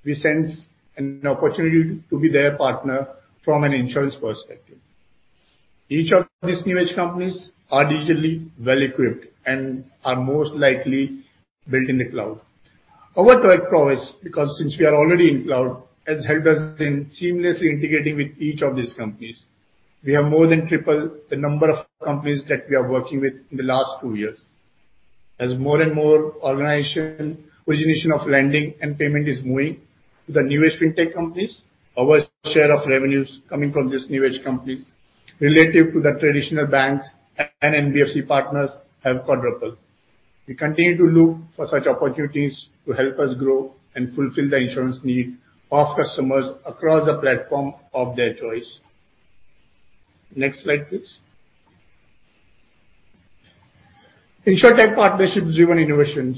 we sense an opportunity to be their partner from an insurance perspective. Each of these new age companies are digitally well-equipped and are most likely built in the cloud. Our tech prowess, because since we are already in cloud, has helped us in seamlessly integrating with each of these companies. We have more than tripled the number of companies that we are working with in the last two years. As more and more origination of lending and payment is moving to the newest fintech companies, our share of revenues coming from these new age companies relative to the traditional banks and NBFC partners have quadrupled. We continue to look for such opportunities to help us grow and fulfill the insurance need of customers across the platform of their choice. Next slide, please. Insurtech partnerships driven innovation.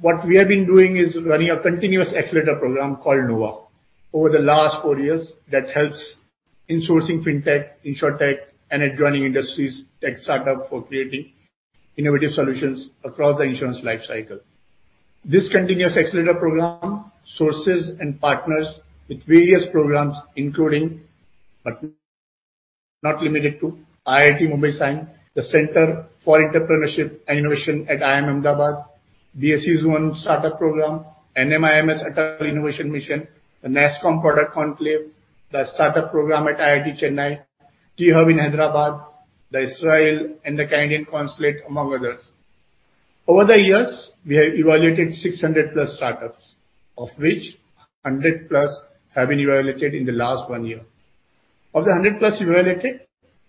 What we have been doing is running a continuous accelerator program called Nova over the last four years that helps in sourcing fintech, insurtech, and adjoining industries tech startup for creating innovative solutions across the insurance life cycle. This continuous accelerator program sources and partners with various programs, including, but not limited to IIT Bombay SINE, the Center for Innovation Incubation and Entrepreneurship at IIM Ahmedabad, DST's own startup program, NMIMS Atal Innovation Mission, the NASSCOM Product Conclave, the startup program at IIT Madras, T-Hub in Hyderabad, the Israeli and the Canadian Consulate, among others. Over the years, we have evaluated 600+ startups, of which 100+ have been evaluated in the last one year. Of the 100+ evaluated,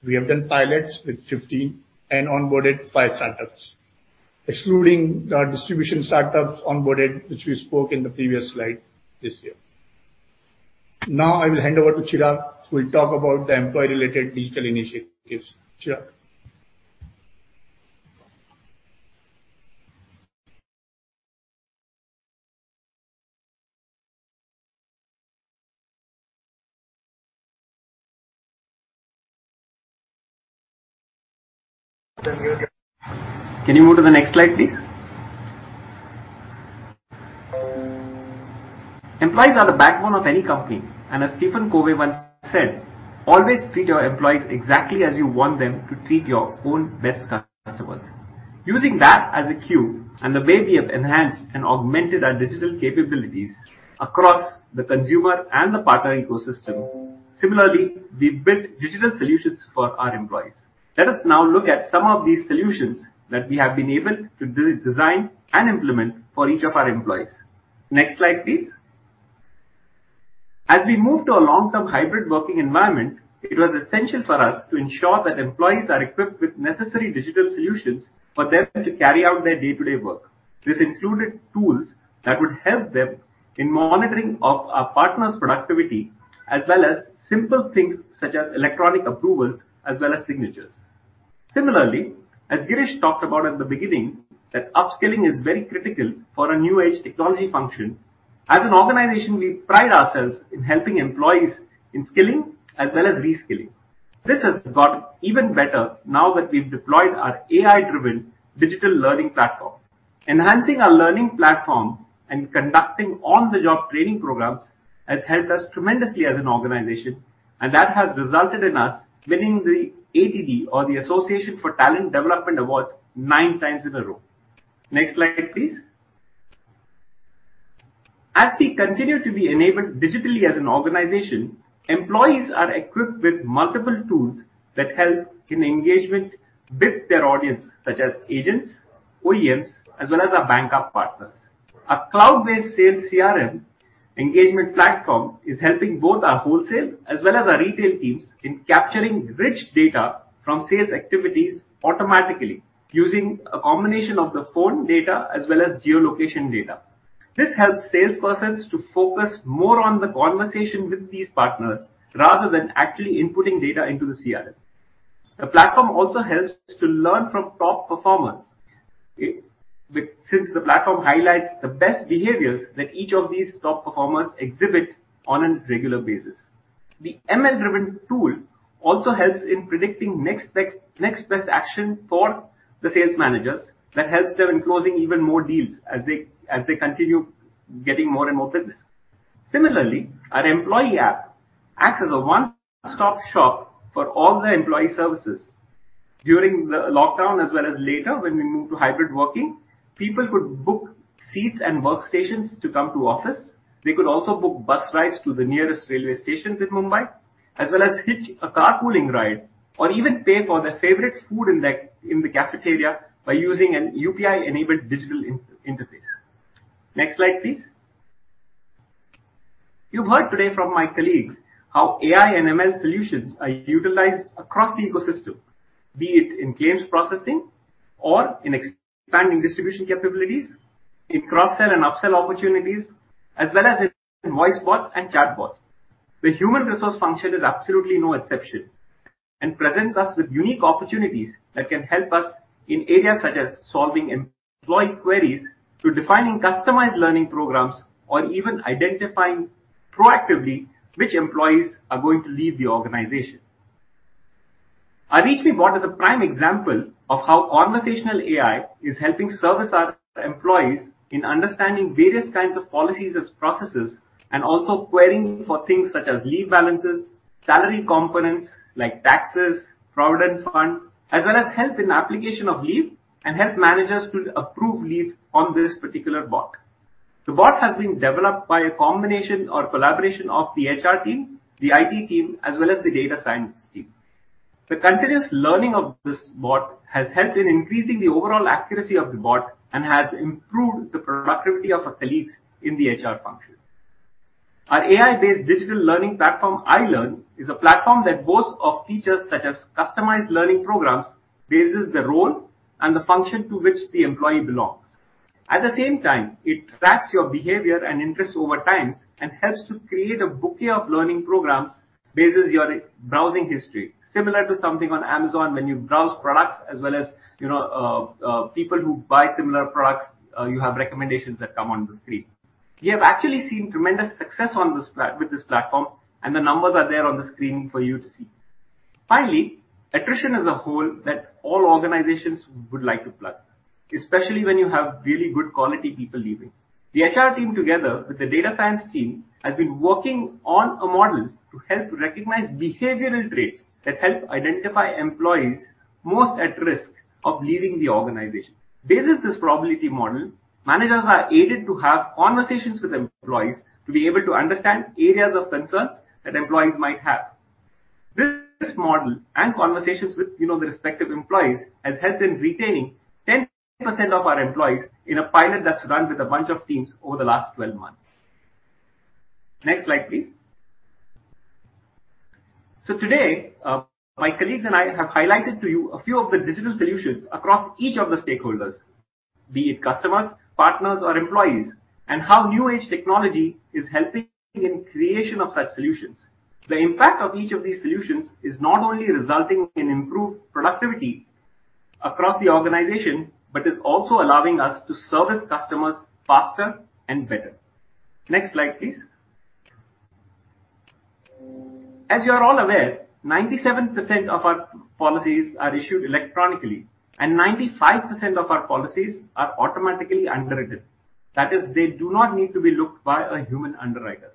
we have done pilots with 50 and onboarded five startups, excluding the distribution startups onboarded, which we spoke about in the previous slide this year. Now I will hand over to Chirag, who will talk about the employee-related digital initiatives. Chirag. Can you move to the next slide, please? Employees are the backbone of any company, and as Stephen R. Covey once said, "Always treat your employees exactly as you want them to treat your own best customers." Using that as a cue and the way we have enhanced and augmented our digital capabilities across the consumer and the partner ecosystem, similarly, we built digital solutions for our employees. Let us now look at some of these solutions that we have been able to redesign and implement for each of our employees. Next slide, please. As we move to a long-term hybrid working environment, it was essential for us to ensure that employees are equipped with necessary digital solutions for them to carry out their day-to-day work. This included tools that would help them in monitoring of our partners' productivity, as well as simple things such as electronic approvals as well as signatures. Similarly, as Girish talked about at the beginning, that upskilling is very critical for a new age technology function. As an organization, we pride ourselves in helping employees in skilling as well as reskilling. This has got even better now that we've deployed our AI-driven digital learning platform. Enhancing our learning platform and conducting on-the-job training programs has helped us tremendously as an organization, and that has resulted in us winning the ATD or the Association for Talent Development Awards nine times in a row. Next slide, please. As we continue to be enabled digitally as an organization, employees are equipped with multiple tools that help in engagement with their audience, such as agents, OEMs, as well as our bank of partners. A cloud-based sales CRM-Engagement platform is helping both our wholesale as well as our retail teams in capturing rich data from sales activities automatically using a combination of the phone data as well as geolocation data. This helps salespersons to focus more on the conversation with these partners rather than actually inputting data into the CRM. The platform also helps to learn from top performers since the platform highlights the best behaviors that each of these top performers exhibit on a regular basis. The ML-driven tool also helps in predicting next best action for the sales managers that helps them in closing even more deals as they continue getting more and more business. Similarly, our employee app acts as a one-stop shop for all the employee services. During the lockdown as well as later when we moved to hybrid working, people could book seats and workstations to come to office. They could also book bus rides to the nearest railway stations in Mumbai, as well as hitch a carpooling ride or even pay for their favorite food in the cafeteria by using a UPI-enabled digital interface. Next slide, please. You've heard today from my colleagues how AI and ML solutions are utilized across the ecosystem, be it in claims processing or in expanding distribution capabilities, in cross-sell and up-sell opportunities, as well as in voice bots and chat bots. The human resource function is absolutely no exception and presents us with unique opportunities that can help us in areas such as solving employee queries to defining customized learning programs or even identifying proactively which employees are going to leave the organization. Our Reach Me bot is a prime example of how organizational AI is helping service our employees in understanding various kinds of policies as processes and also querying for things such as leave balances, salary components like taxes, provident fund, as well as help in application of leave and help managers to approve leave on this particular bot. The bot has been developed by a combination or collaboration of the HR team, the IT team, as well as the data science team. The continuous learning of this bot has helped in increasing the overall accuracy of the bot and has improved the productivity of our colleagues in the HR function. Our AI-based digital learning platform, iLearn, is a platform that boasts of features such as customized learning programs based on the role and the function to which the employee belongs. At the same time, it tracks your behavior and interests over time and helps to create a bouquet of learning programs based on your browsing history. Similar to something on Amazon when you browse products as well as, you know, people who buy similar products, you have recommendations that come on the screen. We have actually seen tremendous success on this platform, and the numbers are there on the screen for you to see. Finally, attrition is a hole that all organizations would like to plug, especially when you have really good quality people leaving. The HR team together with the data science team has been working on a model to help recognize behavioral traits that help identify employees most at risk of leaving the organization. Based on this probability model, managers are aided to have conversations with employees to be able to understand areas of concerns that employees might have. This model and conversations with, you know, the respective employees has helped in retaining 10% of our employees in a pilot that's run with a bunch of teams over the last 12 months. Next slide, please. Today, my colleagues and I have highlighted to you a few of the digital solutions across each of the stakeholders, be it customers, partners, or employees, and how new age technology is helping in creation of such solutions. The impact of each of these solutions is not only resulting in improved productivity across the organization, but is also allowing us to service customers faster and better. Next slide, please. As you are all aware, 97% of our policies are issued electronically, and 95% of our policies are automatically underwritten. That is, they do not need to be looked by a human underwriter.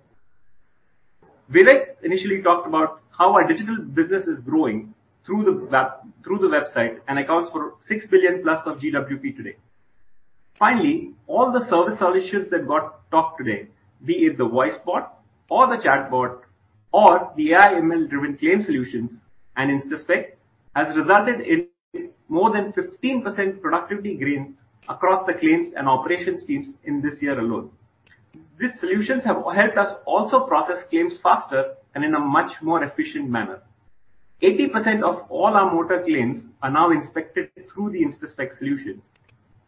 Vivek initially talked about how our digital business is growing through the website and accounts for $6 billion-plus of GWP today. Finally, all the service solutions that got talked today, be it the voice bot or the chat bot or the AI ML-driven claim solutions and InstaSpect, has resulted in more than 15% productivity gains across the claims and operations teams in this year alone. These solutions have helped us also process claims faster and in a much more efficient manner. 80% of all our motor claims are now inspected through the InstaSpect solution.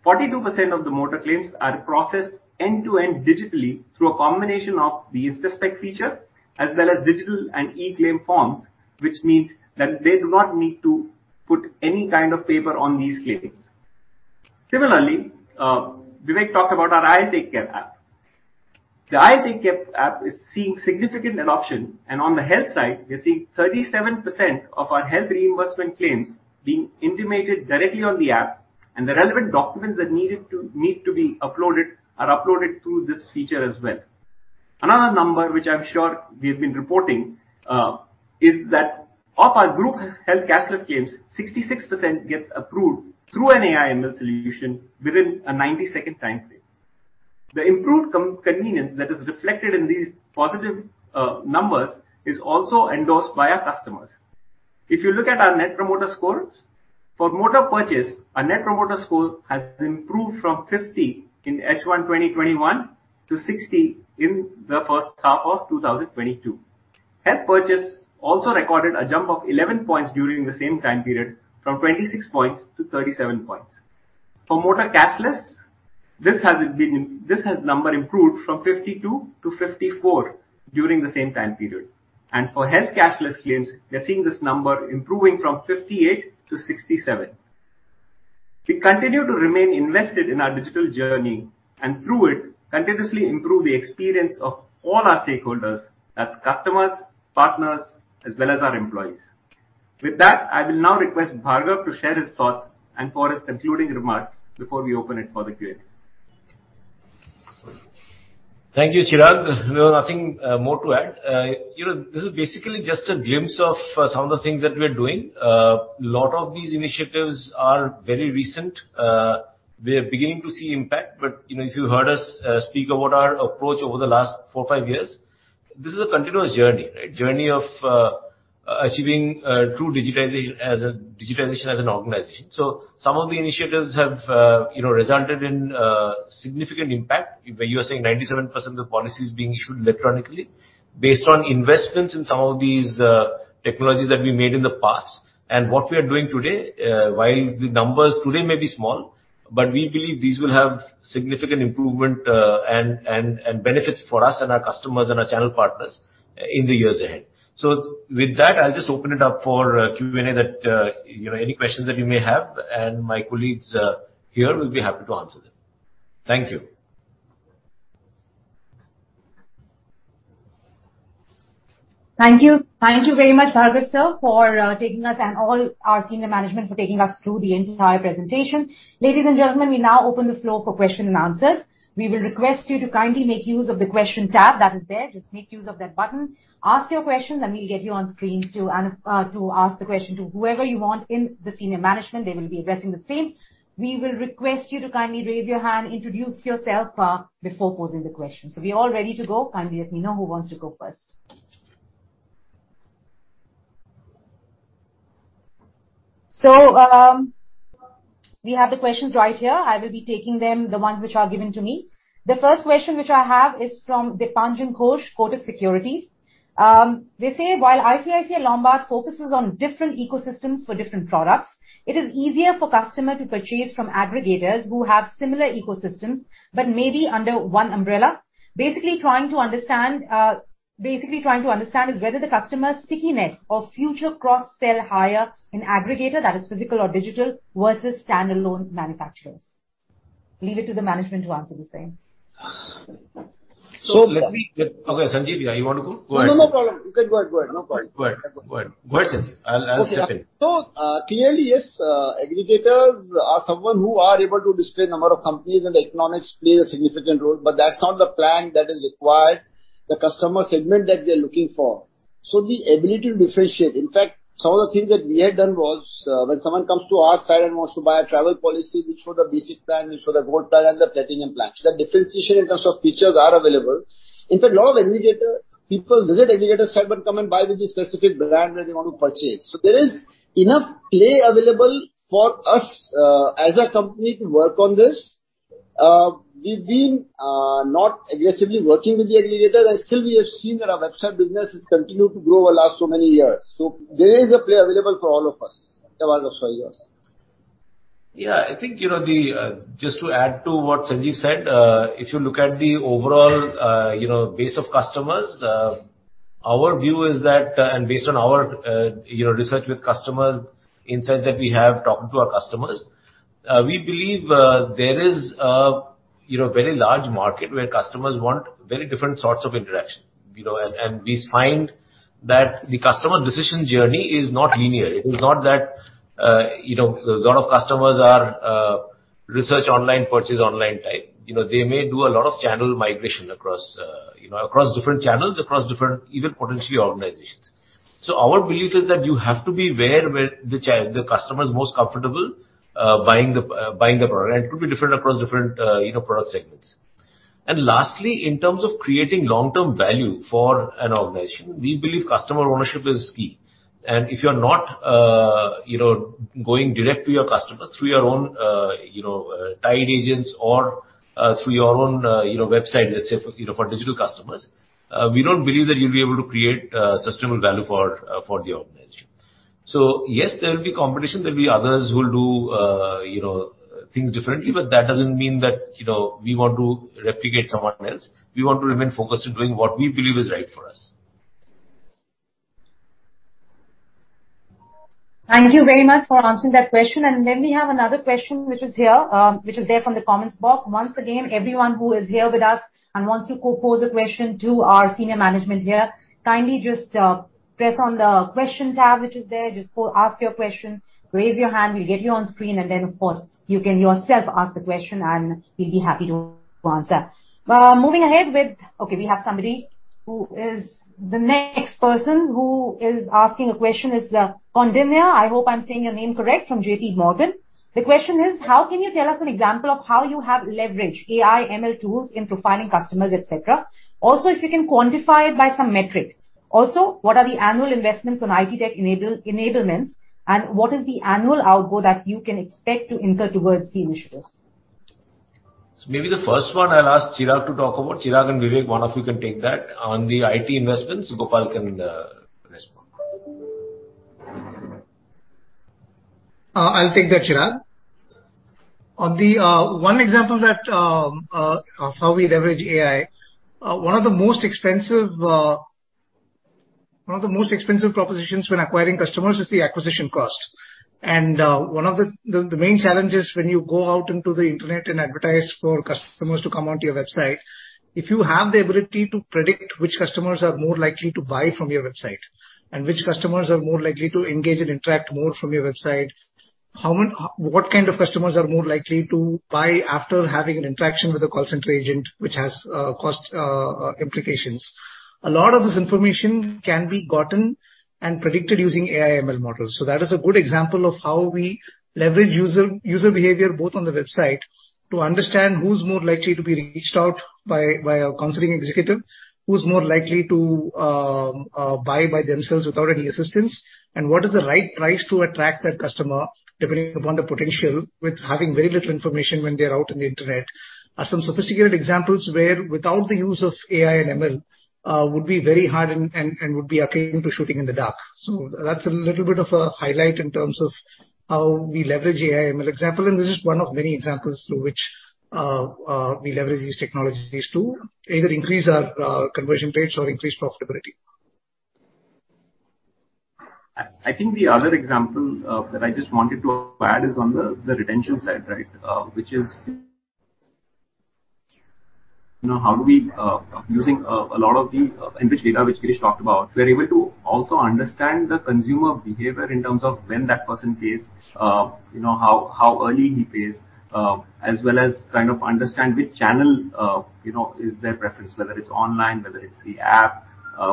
42% of the motor claims are processed end-to-end digitally through a combination of the InstaSpect feature as well as digital and eClaim forms, which means that they do not need to put any kind of paper on these claims. Similarly, Vivek talked about our IL TakeCare app. The IL TakeCare app is seeing significant adoption, and on the health side, we're seeing 37% of our health reimbursement claims being intimated directly on the app, and the relevant documents that need to be uploaded are uploaded through this feature as well. Another number which I'm sure we've been reporting is that of our group health cashless claims, 66% gets approved through an AI/ML solution within a 90-second time frame. The improved convenience that is reflected in these positive numbers is also endorsed by our customers. If you look at our net promoter scores, for motor purchase our net promoter score has improved from 50 in H1 2021 to 60 in the first half of 2022. Health purchase also recorded a jump of 11 points during the same time period from 26 points to 37 points. For motor cashless, this number has improved from 52 to 54 during the same time period. For health cashless claims, we are seeing this number improving from 58 to 67. We continue to remain invested in our digital journey, and through it continuously improve the experience of all our stakeholders. That's customers, partners, as well as our employees. With that, I will now request Bhargav to share his thoughts and for his concluding remarks before we open it for the Q&A. Thank you, Chirag. No, nothing more to add. You know, this is basically just a glimpse of some of the things that we are doing. A lot of these initiatives are very recent. We are beginning to see impact, but you know, if you heard us speak about our approach over the last four, five years, this is a continuous journey, right? Journey of achieving true digitization as an organization. Some of the initiatives have, you know, resulted in significant impact. Where you are saying 97% of the policy is being issued electronically based on investments in some of these technologies that we made in the past and what we are doing today, while the numbers today may be small, but we believe these will have significant improvement and benefits for us and our customers and our channel partners in the years ahead. With that, I'll just open it up for Q&A that, you know, any questions that you may have and my colleagues here will be happy to answer them. Thank you. Thank you. Thank you very much, Bhargav sir for taking us and all our senior management for taking us through the entire presentation. Ladies and gentlemen, we now open the floor for question and answers. We will request you to kindly make use of the question tab that is there. Just make use of that button, ask your question, then we'll get you on screen to ask the question to whoever you want in the senior management. They will be addressing the same. We will request you to kindly raise your hand, introduce yourself before posing the question. We all ready to go, kindly let me know who wants to go first. We have the questions right here. I will be taking them, the ones which are given to me. The first question which I have is from Dipanjan Ghosh, Kotak Securities. They say while ICICI Lombard focuses on different ecosystems for different products, it is easier for customer to purchase from aggregators who have similar ecosystems, but maybe under one umbrella. Basically trying to understand is whether the customer stickiness or future cross-sell higher in aggregator that is physical or digital versus standalone manufacturers. Leave it to the management to answer the same. Okay, Sanjeev, you want to go? Go ahead. No, no problem. You can go ahead. Go ahead. No problem. Go ahead, Sanjeev. I'll chip in. Clearly, yes, aggregators are someone who are able to display number of companies and the economics play a significant role, but that's not the plan that is required, the customer segment that we are looking for. The ability to differentiate. In fact, some of the things that we had done was, when someone comes to our side and wants to buy a travel policy, we show the basic plan, we show the gold plan and the platinum plan. That differentiation in terms of features are available. In fact, a lot of aggregator people visit aggregator site, but come and buy with the specific brand where they want to purchase. There is enough play available for us, as a company to work on this. We've been not aggressively working with the aggregators and still we have seen that our website business has continued to grow over last so many years. There is a play available for all of us. Bhargav, sorry, go on. Yeah, I think, you know, just to add to what Sanjeev said, if you look at the overall, you know, base of customers, our view is that, and based on our, you know, research with customers, insights that we have talking to our customers, we believe, there is a, you know, very large market where customers want very different sorts of interaction, you know, and we find that the customer decision journey is not linear. It is not that, you know, a lot of customers are, research online, purchase online type. You know, they may do a lot of channel migration across, you know, different channels, across different even potentially organizations. Our belief is that you have to be where the customer is most comfortable, buying the product. It could be different across different, you know, product segments. Lastly, in terms of creating long-term value for an organization, we believe customer ownership is key. If you're not, you know, going direct to your customer through your own, you know, tied agents or, through your own, you know, website, let's say for, you know, for digital customers, we don't believe that you'll be able to create, sustainable value for the organization. Yes, there will be competition, there'll be others who will do, you know, things differently, but that doesn't mean that, you know, we want to replicate someone else. We want to remain focused on doing what we believe is right for us. Thank you very much for answering that question. Then we have another question which is here, which is there from the comments box. Once again, everyone who is here with us and wants to pose a question to our senior management here, kindly just press on the question tab, which is there. Just go ask your question. Raise your hand. We'll get you on screen and then of course, you can yourself ask the question, and we'll be happy to answer. Moving ahead, we have somebody who is the next person who is asking a question is Kaundinya. I hope I'm saying your name correct, from JPMorgan. The question is: How can you tell us an example of how you have leveraged AI/ML tools into finding customers, et cetera? Also, if you can quantify it by some metric. Also, what are the annual investments on IT tech enablement? What is the annual outflow that you can expect to incur towards the initiatives? Maybe the first one I'll ask Chirag to talk about. Chirag and Vivek, one of you can take that. On the IT investments, Gopal can respond. I'll take that, Chirag. On the one example of how we leverage AI, one of the most expensive propositions when acquiring customers is the acquisition cost. One of the main challenges when you go out into the internet and advertise for customers to come onto your website, if you have the ability to predict which customers are more likely to buy from your website and which customers are more likely to engage and interact more from your website, what kind of customers are more likely to buy after having an interaction with a call center agent, which has cost implications. A lot of this information can be gotten and predicted using AI/ML models. That is a good example of how we leverage user behavior, both on the website to understand who's more likely to be reached out by a consulting executive, who's more likely to buy by themselves without any assistance, and what is the right price to attract that customer, depending upon the potential with having very little information when they're out on the internet. These are some sophisticated examples where without the use of AI and ML would be very hard and would be akin to shooting in the dark. That's a little bit of a highlight in terms of how we leverage AI/ML example, and this is one of many examples through which we leverage these technologies to either increase our conversion rates or increase profitability. I think the other example that I just wanted to add is on the retention side, right? Which is you know, how do we using a lot of the enriched data which Girish talked about, we're able to also understand the consumer behavior in terms of when that person pays, you know, how early he pays, as well as kind of understand which channel you know is their preference. Whether it's online, whether it's the app,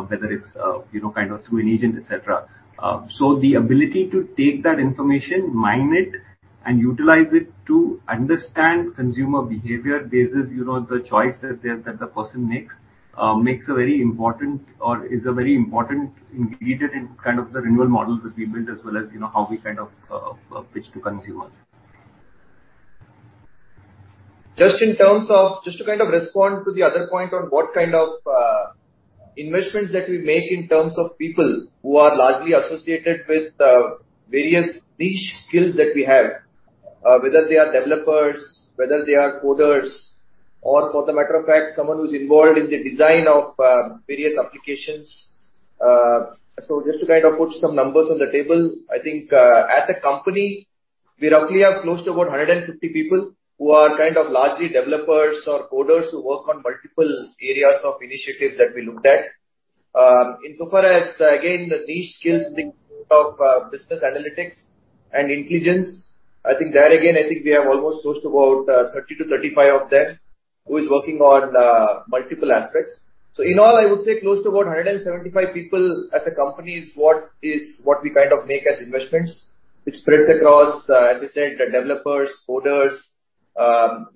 whether it's you know kind of through an agent, et cetera. The ability to take that information, mine it, and utilize it to understand consumer behavior based on, you know, the choices that the person makes is a very important ingredient in kind of the renewal models that we built, as well as, you know, how we kind of pitch to consumers. Just to kind of respond to the other point on what kind of investments that we make in terms of people who are largely associated with various niche skills that we have, whether they are developers, whether they are coders or, for the matter of fact, someone who's involved in the design of various applications. So just to kind of put some numbers on the table, I think, as a company, we roughly have close to about 150 people who are kind of largely developers or coders who work on multiple areas of initiatives that we looked at. Insofar as, again, the niche skills of business analytics and intelligence, I think there again, I think we have almost close to about 30-35 of them who is working on multiple aspects. In all, I would say close to about 175 people as a company is what we kind of make as investments. It spreads across, as I said, developers, coders,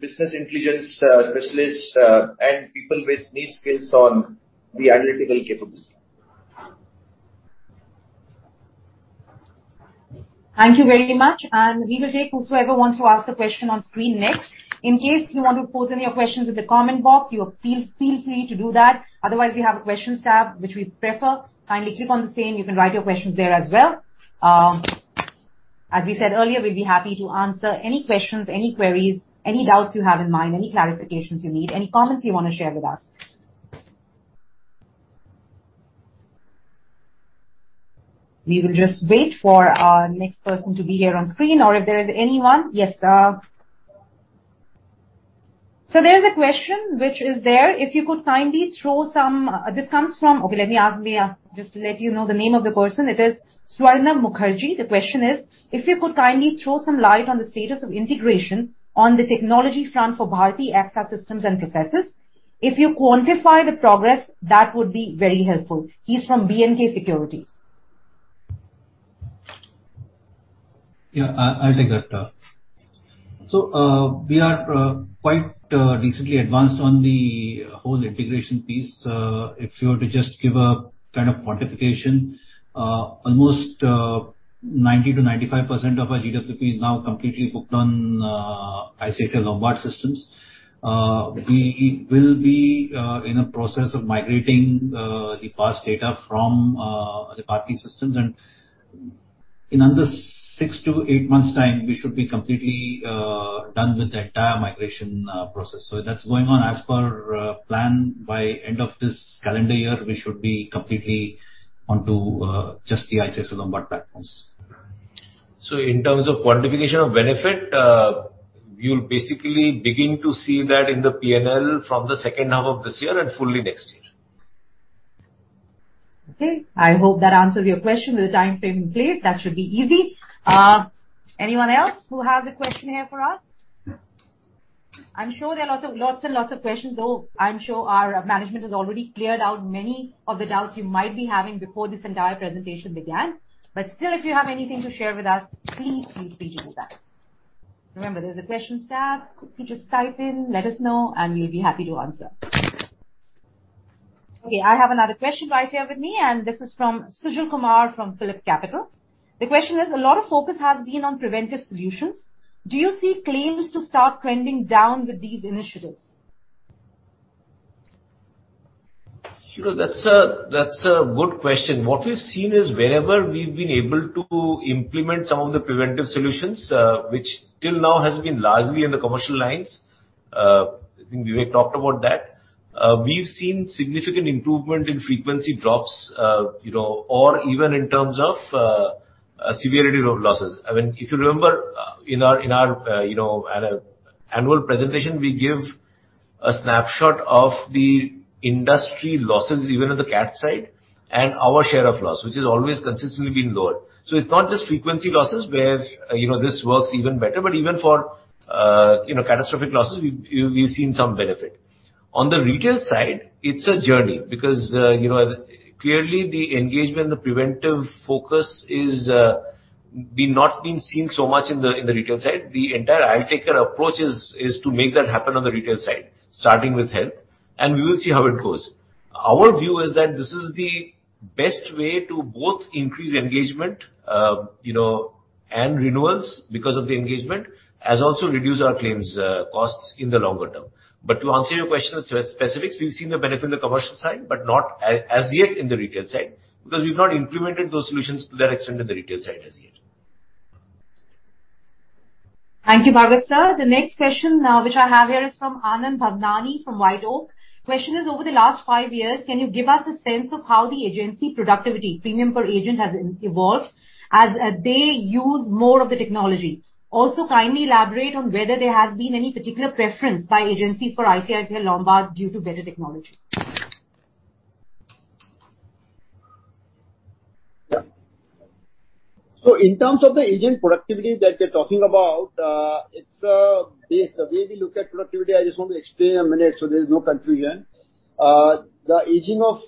business intelligence, specialists, and people with niche skills on the analytical capability. Thank you very much, and we will take whosoever wants to ask a question on screen next. In case you want to post any of your questions in the comment box, feel free to do that. Otherwise, we have a questions tab, which we prefer. Kindly click on the same. You can write your questions there as well. As we said earlier, we'll be happy to answer any questions, any queries, any doubts you have in mind, any clarifications you need, any comments you wanna share with us. We will just wait for our next person to be here on screen or if there is anyone. Yes. There's a question which is there. If you could kindly throw some. This comes from. Okay, let me ask Mia, just to let you know the name of the person. It is Swarnabha Mukherjee. The question is: If you could kindly throw some light on the status of integration on the technology front for Bharti AXA systems and processes. If you quantify the progress, that would be very helpful. He's from B&K Securities. Yeah, I'll take that. We are quite recently advanced on the whole integration piece. If you were to just give a kind of quantification, almost 90%-95% of our DWP is now completely booked on ICICI Lombard Systems. We will be in a process of migrating the past data from the Bharti Systems and in under 6-8 months' time, we should be completely done with the entire migration process. That's going on as per plan. By end of this calendar year, we should be completely onto just the ICICI Lombard platforms. In terms of quantification of benefit, you'll basically begin to see that in the P&L from the second half of this year and fully next year. Okay. I hope that answers your question. With the timeframe in place, that should be easy. Anyone else who has a question here for us? I'm sure there are lots and lots of questions, though I'm sure our management has already cleared out many of the doubts you might be having before this entire presentation began. Still, if you have anything to share with us, please, please do that. Remember, there's a Questions tab. If you just type in, let us know, and we'll be happy to answer. Okay, I have another question right here with me, and this is from Sujal Kumar from PhillipCapital. The question is: A lot of focus has been on preventive solutions. Do you see claims to start trending down with these initiatives? Sure. That's a good question. What we've seen is whenever we've been able to implement some of the preventive solutions, which till now has been largely in the commercial lines, I think Vivek talked about that, we've seen significant improvement in frequency drops, you know, or even in terms of, severity of losses. I mean, if you remember, in our, you know, annual presentation, we give a snapshot of the industry losses even on the cat side and our share of loss, which has always consistently been lower. It's not just frequency losses where, you know, this works even better, but even for, you know, catastrophic losses, we've seen some benefit. On the retail side, it's a journey because clearly the engagement, the preventive focus is not being seen so much in the retail side. The entire IL TakeCare approach is to make that happen on the retail side, starting with health, and we will see how it goes. Our view is that this is the best way to both increase engagement and renewals because of the engagement, as also reduce our claims costs in the longer term. To answer your question on specifics, we've seen the benefit in the commercial side, but not as yet in the retail side, because we've not implemented those solutions to that extent in the retail side as yet. Thank you, Bhargav, sir. The next question which I have here is from Anand Bhavnani from White Oak Capital. Question is, over the last five years, can you give us a sense of how the agency productivity premium per agent has evolved as they use more of the technology? Also, kindly elaborate on whether there has been any particular preference by agency for ICICI Lombard due to better technology. Yeah. In terms of the agent productivity that you're talking about, it's based. The way we look at productivity, I just want to explain a minute so there's no confusion. The aging of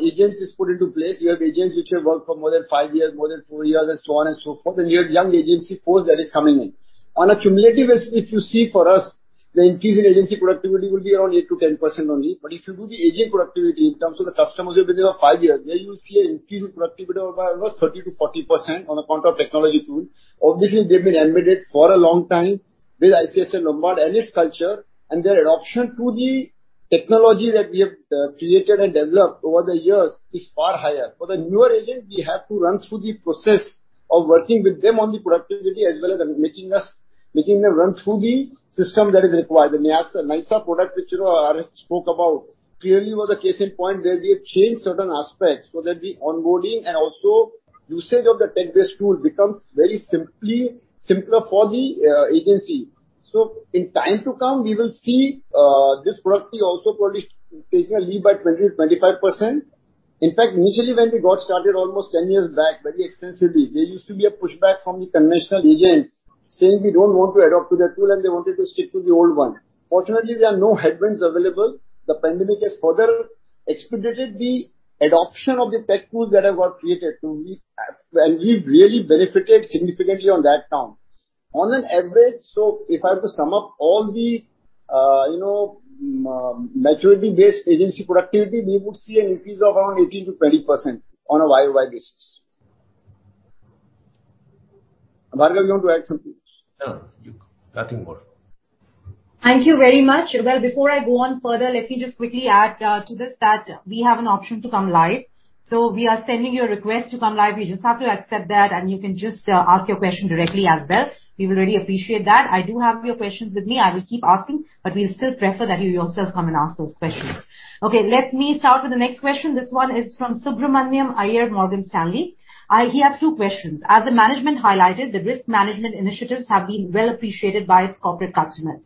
agents is put into place. You have agents which have worked for more than five years, more than four years, and so on and so forth, and you have young agency force that is coming in. On a cumulative basis, if you see for us, the increase in agency productivity will be around 8%-10% only. If you do the agent productivity in terms of the customers within the five years, there you'll see an increase in productivity of around 30%-40% on account of technology tools. Obviously, they've been embedded for a long time with ICICI Lombard and its culture, and their adoption of the technology that we have created and developed over the years is far higher. For the newer agent, we have to run through the process of working with them on the productivity as well as adopting it, making them run through the system that is required. The NYSA product, which, you know, Arif Syed spoke about clearly was a case in point where we have changed certain aspects so that the onboarding and also usage of the tech-based tool becomes simpler for the agency. In time to come, we will see this productivity also probably taking a leap by 20%-25%. In fact, initially when we got started almost 10 years back, very extensively, there used to be a pushback from the conventional agents saying we don't want to adopt to that tool and they wanted to stick to the old one. Fortunately, there are no headwinds available. The pandemic has further expedited the adoption of the tech tools that have got created to be. We've really benefited significantly on that count. On an average, if I have to sum up all the, you know, maturity-based agency productivity, we would see an increase of around 18%-20% on a YoY basis. Bhargav, you want to add something? No. Nothing more. Thank you very much. Well, before I go on further, let me just quickly add to this that we have an option to come live. So we are sending you a request to come live. You just have to accept that, and you can just ask your question directly as well. We will really appreciate that. I do have your questions with me. I will keep asking, but we'll still prefer that you yourself come and ask those questions. Okay, let me start with the next question. This one is from Subramanian Iyer, Morgan Stanley. He has two questions. As the management highlighted, the risk management initiatives have been well appreciated by its corporate customers.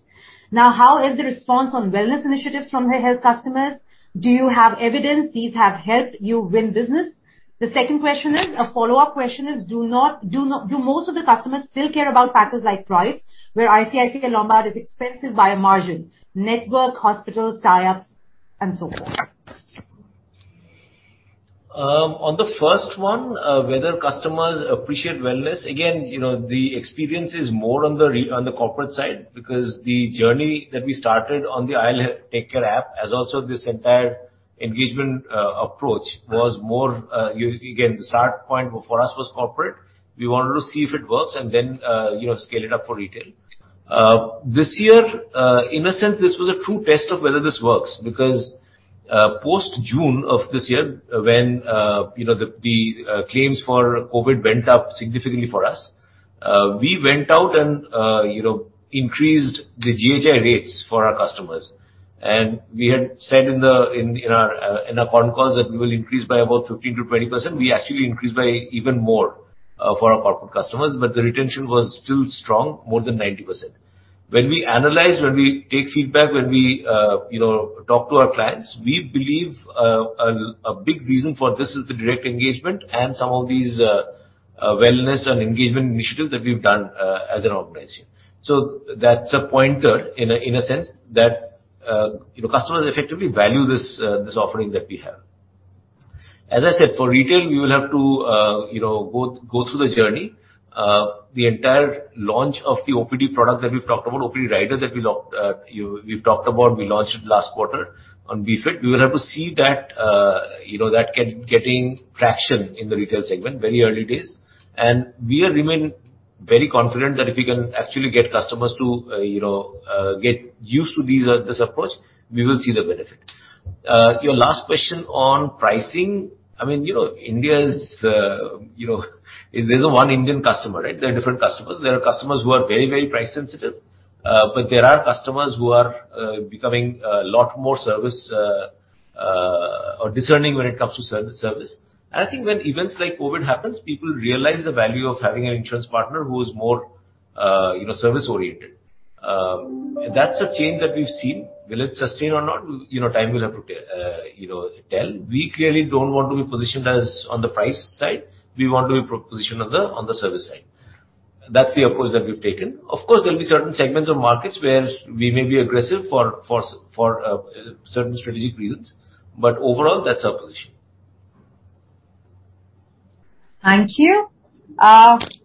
Now, how is the response on wellness initiatives from the health customers? Do you have evidence these have helped you win business? The second question is, a follow-up question is do most of the customers still care about factors like price, where ICICI Lombard is expensive by a margin, network, hospitals, tie-ups, and so forth? On the first one, whether customers appreciate wellness, again, you know, the experience is more on the corporate side because the journey that we started on the IL TakeCare app, as also this entire engagement approach was more, the start point for us was corporate. We wanted to see if it works and then, you know, scale it up for retail. This year, in a sense, this was a true test of whether this works because post-June of this year when, you know, the claims for COVID went up significantly for us, we went out and, you know, increased the GHI rates for our customers. We had said in our conference calls that we will increase by about 15%-20%. We actually increased by even more for our corporate customers, but the retention was still strong, more than 90%. When we analyze, take feedback, you know, talk to our clients, we believe a big reason for this is the direct engagement and some of these wellness and engagement initiatives that we've done as an organization. That's a pointer in a sense that you know, customers effectively value this offering that we have. As I said, for retail, we will have to you know, go through the journey. The entire launch of the OPD product that we've talked about, OPD rider, we launched last quarter on BeFit. We will have to see that getting traction in the retail segment. Very early days. We remain very confident that if we can actually get customers to, you know, get used to these, this approach, we will see the benefit. Your last question on pricing. I mean, you know, India's, you know there's no one Indian customer, right? There are different customers. There are customers who are very price sensitive, but there are customers who are becoming a lot more service or discerning when it comes to service. I think when events like COVID happens, people realize the value of having an insurance partner who is more, you know, service oriented. That's a change that we've seen. Will it sustain or not? You know, time will have to tell. We clearly don't want to be positioned as on the price side. We want to be positioned on the service side. That's the approach that we've taken. Of course, there'll be certain segments or markets where we may be aggressive for certain strategic reasons, but overall, that's our position. Thank you.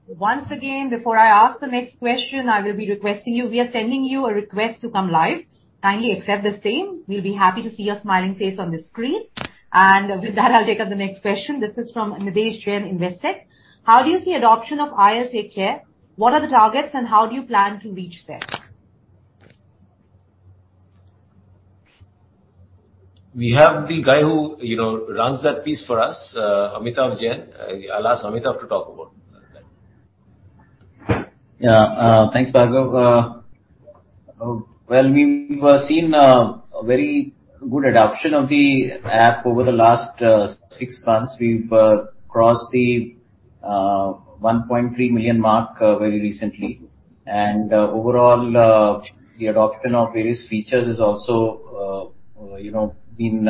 Once again, before I ask the next question, I will be requesting you. We are sending you a request to come live. Kindly accept the same. We'll be happy to see your smiling face on the screen. With that, I'll take up the next question. This is from Nidhesh Jain, Investec. How do you see adoption of IL TakeCare? What are the targets, and how do you plan to reach there? We have the guy who, you know, runs that piece for us, Amitabh Jain. I'll ask Amitabh to talk about that. Yeah. Thanks, Bhargav. Well, we've seen a very good adoption of the app over the last six months. We've crossed the 1.3 million mark very recently. Overall, the adoption of various features is also, you know, been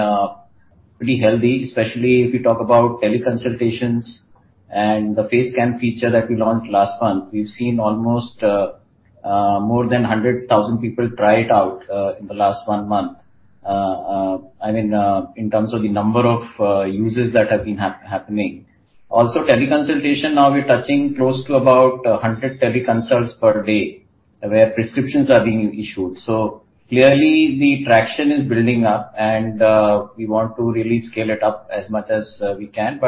pretty healthy, especially if you talk about tele consultations and the FaceScan feature that we launched last month. We've seen almost more than 100,000 people try it out in the last 1 month. I mean, in terms of the number of users that have been happening. Tele consultation, now we're touching close to about 100 tele consults per day, where prescriptions are being issued. Clearly the traction is building up, and we want to really scale it up as much as we can.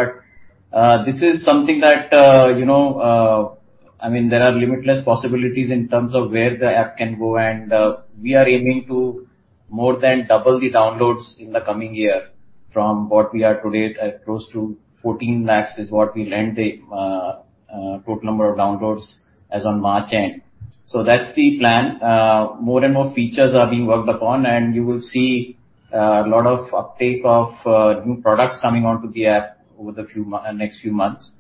This is something that, you know, I mean, there are limitless possibilities in terms of where the app can go, and we are aiming to more than double the downloads in the coming year from what we are today at close to 14 lakh, which is the total number of downloads as on March end. That's the plan. More and more features are being worked upon, and you will see a lot of uptake of new products coming onto the app over the next few months.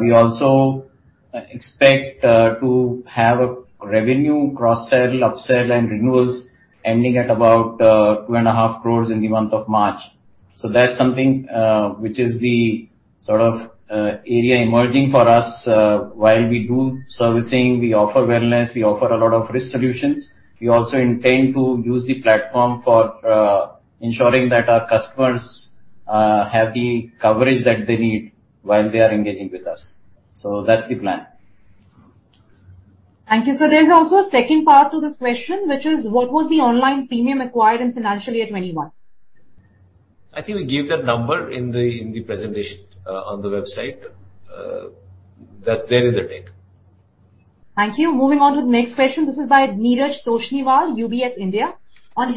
We also expect to have a revenue cross-sell, upsell and renewals ending at about 2.5 crore in the month of March. That's something which is the sort of area emerging for us while we do servicing. We offer wellness, we offer a lot of risk solutions. We also intend to use the platform for ensuring that our customers have the coverage that they need while they are engaging with us. That's the plan. Thank you. There's also a second part to this question, which is, what was the online premium acquired in financial year 2021? I think we gave that number in the presentation on the website. That's there in the deck. Thank you. Moving on to the next question. This is by Neeraj Toshniwal, UBS India. On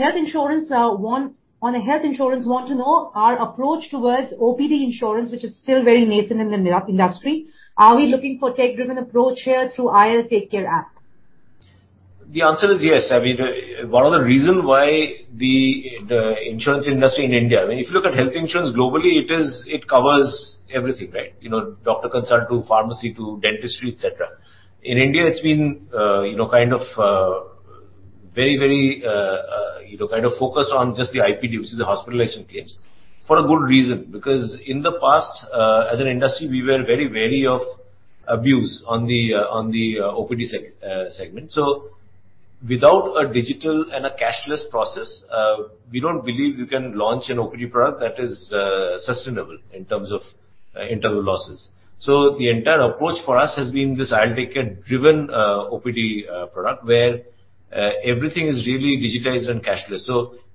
health insurance, want to know our approach towards OPD insurance, which is still very nascent in the industry. Are we looking for tech-driven approach here through IL TakeCare app? The answer is yes. I mean, one of the reason why the insurance industry in India, I mean, if you look at health insurance globally, it covers everything, right? You know, doctor consult to pharmacy to dentistry, et cetera. In India, it's been, you know, kind of very focused on just the IPD, which is the hospitalization claims, for a good reason. Because in the past, as an industry, we were very wary of abuse on the OPD segment. Without a digital and a cashless process, we don't believe you can launch an OPD product that is sustainable in terms of internal losses. The entire approach for us has been this IL TakeCare driven OPD product where everything is really digitized and cashless.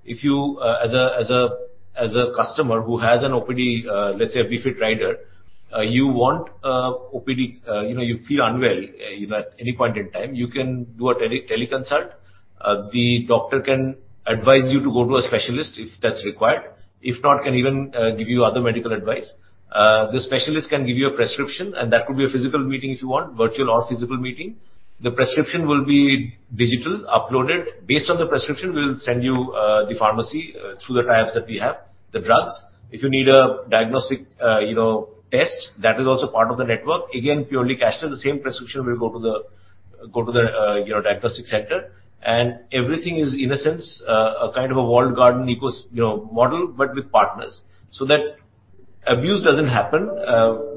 If you, as a customer who has an OPD, let's say a BeFit rider, want an OPD, you know, you feel unwell at any point in time, you can do a tele-consult. The doctor can advise you to go to a specialist if that's required. If not, can even give you other medical advice. The specialist can give you a prescription, and that could be a physical meeting if you want, virtual or physical meeting. The prescription will be digital, uploaded. Based on the prescription, we'll send you the drugs through the tie-ups that we have with the pharmacy. If you need a diagnostic test, that is also part of the network. Again, purely cashless, the same prescription will go to the diagnostic center. Everything is, in a sense, a kind of a walled garden ecosystem model, but with partners. That abuse doesn't happen,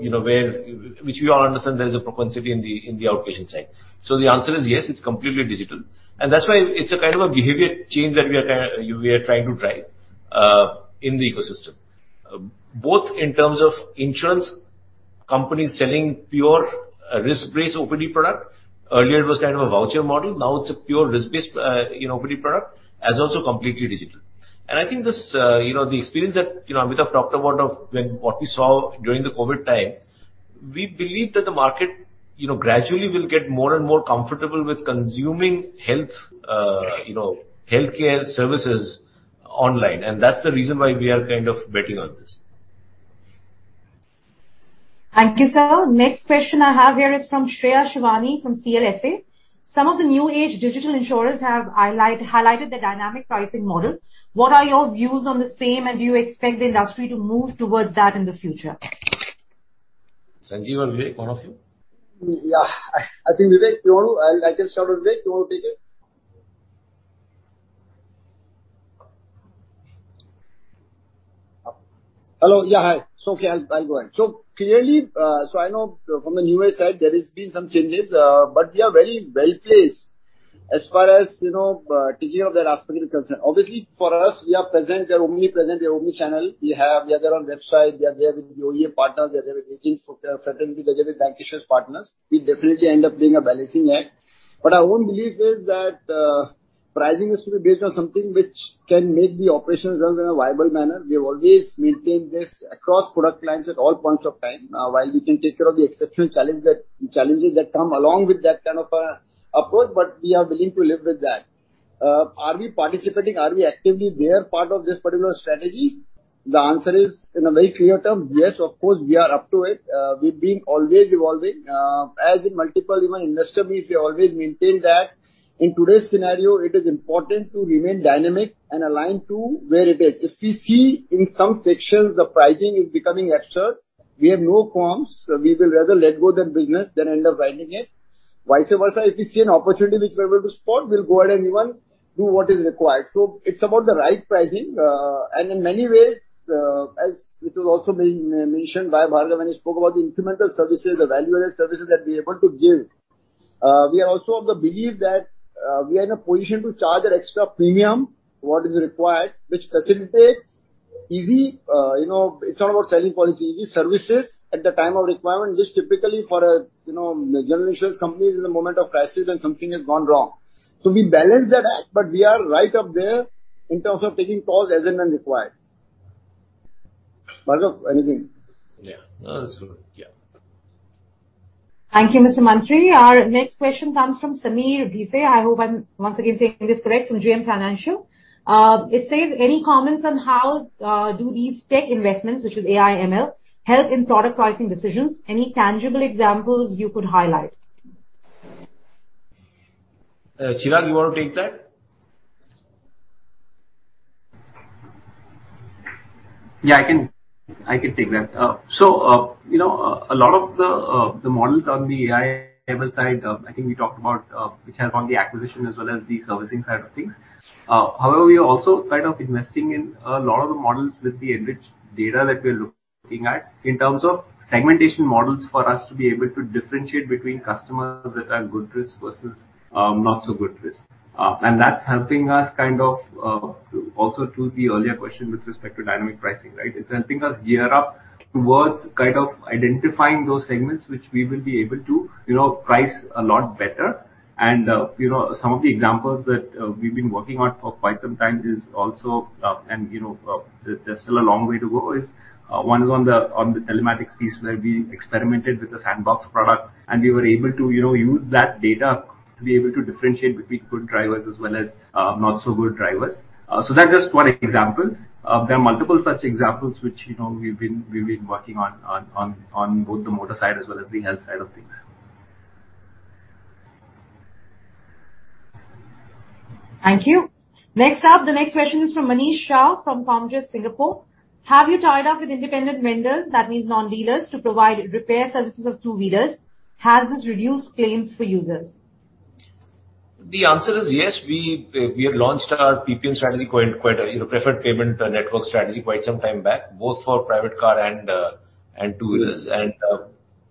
you know, which we all understand there is a propensity in the outpatient side. The answer is yes, it's completely digital. That's why it's a kind of a behavior change that we are kinda trying to drive in the ecosystem, both in terms of insurance companies selling pure risk-based OPD product. Earlier it was kind of a voucher model, now it's a pure risk-based OPD product, as also completely digital. I think this, you know, the experience that, you know, Amitabh talked about of when, what we saw during the COVID time, we believe that the market, you know, gradually will get more and more comfortable with consuming health, you know, healthcare services online. That's the reason why we are kind of betting on this. Thank you, sir. Next question I have here is from Shreya Shivani from CLSA. Some of the new-age digital insurers have highlighted the dynamic pricing model. What are your views on the same, and do you expect the industry to move towards that in the future? Sanjeev or Vivek, one of you. I think, Vivek, you want to? I can start with Vivek. You want to take it? Hello? Hi. It's okay, I'll go ahead. Clearly, I know from the newer side there has been some changes, but we are very well placed as far as, you know, taking care of that aspect is concerned. Obviously, for us we are present, we are omnipresent, we are omni-channel. We are there on website, we are there with the OEM partners, we are there with agents, fraternity, we are there with bank insurance partners. We definitely end up doing a balancing act. Our own belief is that pricing is to be based on something which can make the operations run in a viable manner. We have always maintained this across product lines at all points of time. While we can take care of the exceptional challenges that come along with that kind of a approach, we are willing to live with that. Are we participating? Are we actively a part of this particular strategy? The answer is in a very clear term, yes, of course, we are up to it. We've been always evolving as in multiple, even industrially, we always maintain that. In today's scenario it is important to remain dynamic and aligned to where it is. If we see in some sections the pricing is becoming absurd, we have no qualms. We will rather let go that business than end up writing it. Vice versa, if we see an opportunity which we are able to spot, we'll go ahead and even do what is required. It's about the right pricing. In many ways, as it was also being mentioned by Bhargav when he spoke about the incremental services, the value-added services that we are able to give, we are also of the belief that, we are in a position to charge an extra premium, what is required, which facilitates easy, you know, it's not about selling policy, easy services at the time of requirement, which typically for a, you know, general insurance company is in the moment of crisis when something has gone wrong. We balance that act, but we are right up there in terms of taking calls as and when required. Bhargav, anything? Yeah. No, that's good. Yeah. Thank you, Mr. Mantri. Our next question comes from Sameer Bhise. I hope I'm once again saying this correct, from JM Financial. It says, "Any comments on how do these tech investments, which is AI, ML, help in product pricing decisions? Any tangible examples you could highlight? Chirag, you want to take that? Yeah, I can take that. So, you know, a lot of the models on the AI, ML side, I think we talked about, which help on the acquisition as well as the servicing side of things. However, we are also kind of investing in a lot of the models with the enriched data that we are looking at in terms of segmentation models for us to be able to differentiate between customers that are good risk versus not so good risk. That's helping us kind of also to the earlier question with respect to dynamic pricing, right? It's helping us gear up towards kind of identifying those segments which we will be able to, you know, price a lot better. You know, some of the examples that we've been working on for quite some time, and you know, there's still a long way to go. One is on the telematics piece where we experimented with the sandbox product and we were able to, you know, use that data to be able to differentiate between good drivers as well as not so good drivers. That's just one example. There are multiple such examples which, you know, we've been working on both the motor side as well as the health side of things. Thank you. Next up, the next question is from Manish Shah from Comgest Singapore. Have you tied up with independent vendors, that means non-dealers, to provide repair services of two-wheelers? Has this reduced claims for users? The answer is yes. We have launched our PPN strategy quite a, you know, preferred provider network strategy quite some time back, both for private car and two-wheelers.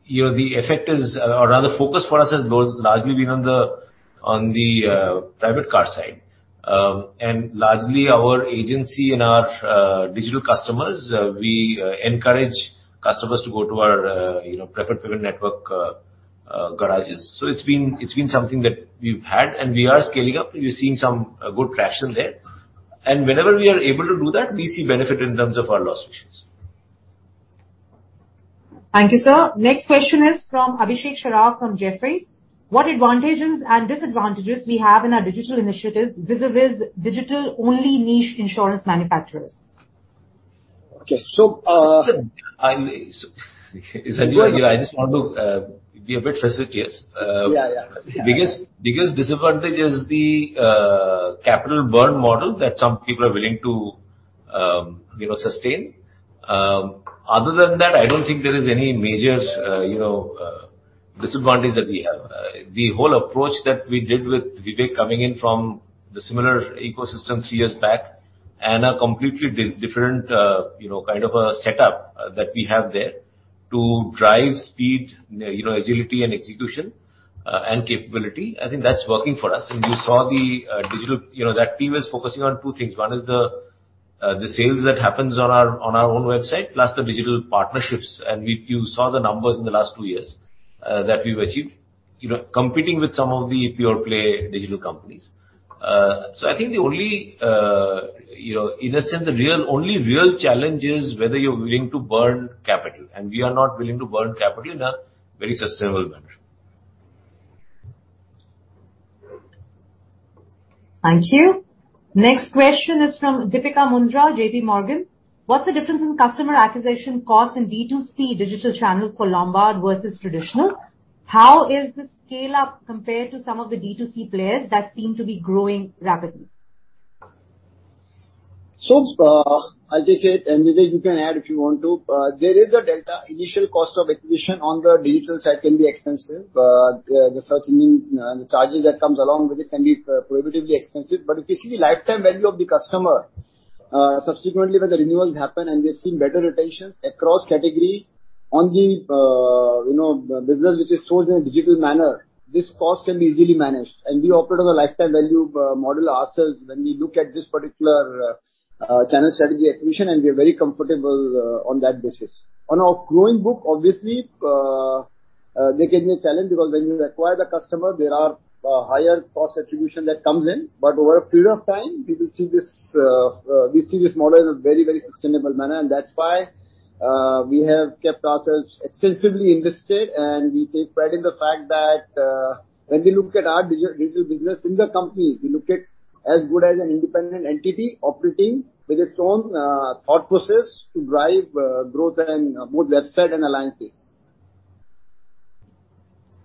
The effect is, or rather, the focus for us has largely been on the private car side. Largely our agency and our digital customers, we encourage customers to go to our preferred provider network garages. It's been something that we've had, and we are scaling up. We've seen some good traction there. Whenever we are able to do that, we see benefit in terms of our loss ratios. Thank you, sir. Next question is from Abhishek Saraf from Jefferies. What advantages and disadvantages we have in our digital initiatives vis-a-vis digital only niche insurance manufacturers? Okay. Sanjeev, I just want to be a bit facetious. Yeah. Yeah. The biggest disadvantage is the capital burn model that some people are willing to, you know, sustain. Other than that, I don't think there is any major disadvantage that we have. The whole approach that we did with Vivek coming in from the similar ecosystem three years back and a completely different, you know, kind of a setup that we have there to drive speed, you know, agility and execution, and capability, I think that's working for us. You saw the digital. You know, that team was focusing on two things. One is the sales that happens on our own website, plus the digital partnerships. You saw the numbers in the last two years that we've achieved, you know, competing with some of the pure play digital companies. I think the only, you know, in a sense, the real, only real challenge is whether you're willing to burn capital and we are not willing to burn capital in a very sustainable manner. Thank you. Next question is from Deepika Mundra, JPMorgan. What's the difference in customer acquisition cost in D2C digital channels for Lombard versus traditional? How is the scale up compared to some of the D2C players that seem to be growing rapidly? I'll take it, and Vivek you can add if you want to. There is a delta. Initial cost of acquisition on the digital side can be expensive. The search engine, the charges that comes along with it can be prohibitively expensive, but if you see lifetime value of the customer, subsequently when the renewals happen, and we have seen better retentions across category on the, you know, business which is sourced in a digital manner, this cost can be easily managed. We operate on a lifetime value model ourselves when we look at this particular channel strategy acquisition, and we are very comfortable on that basis. On our growing book, obviously, there can be a challenge because when you acquire the customer, there are higher cost attribution that comes in. Over a period of time, people see this, we see this model in a very, very sustainable manner. That's why we have kept ourselves extensively invested, and we take pride in the fact that when we look at our digital business in the company, we look at as good as an independent entity operating with its own thought process to drive growth and both website and alliances.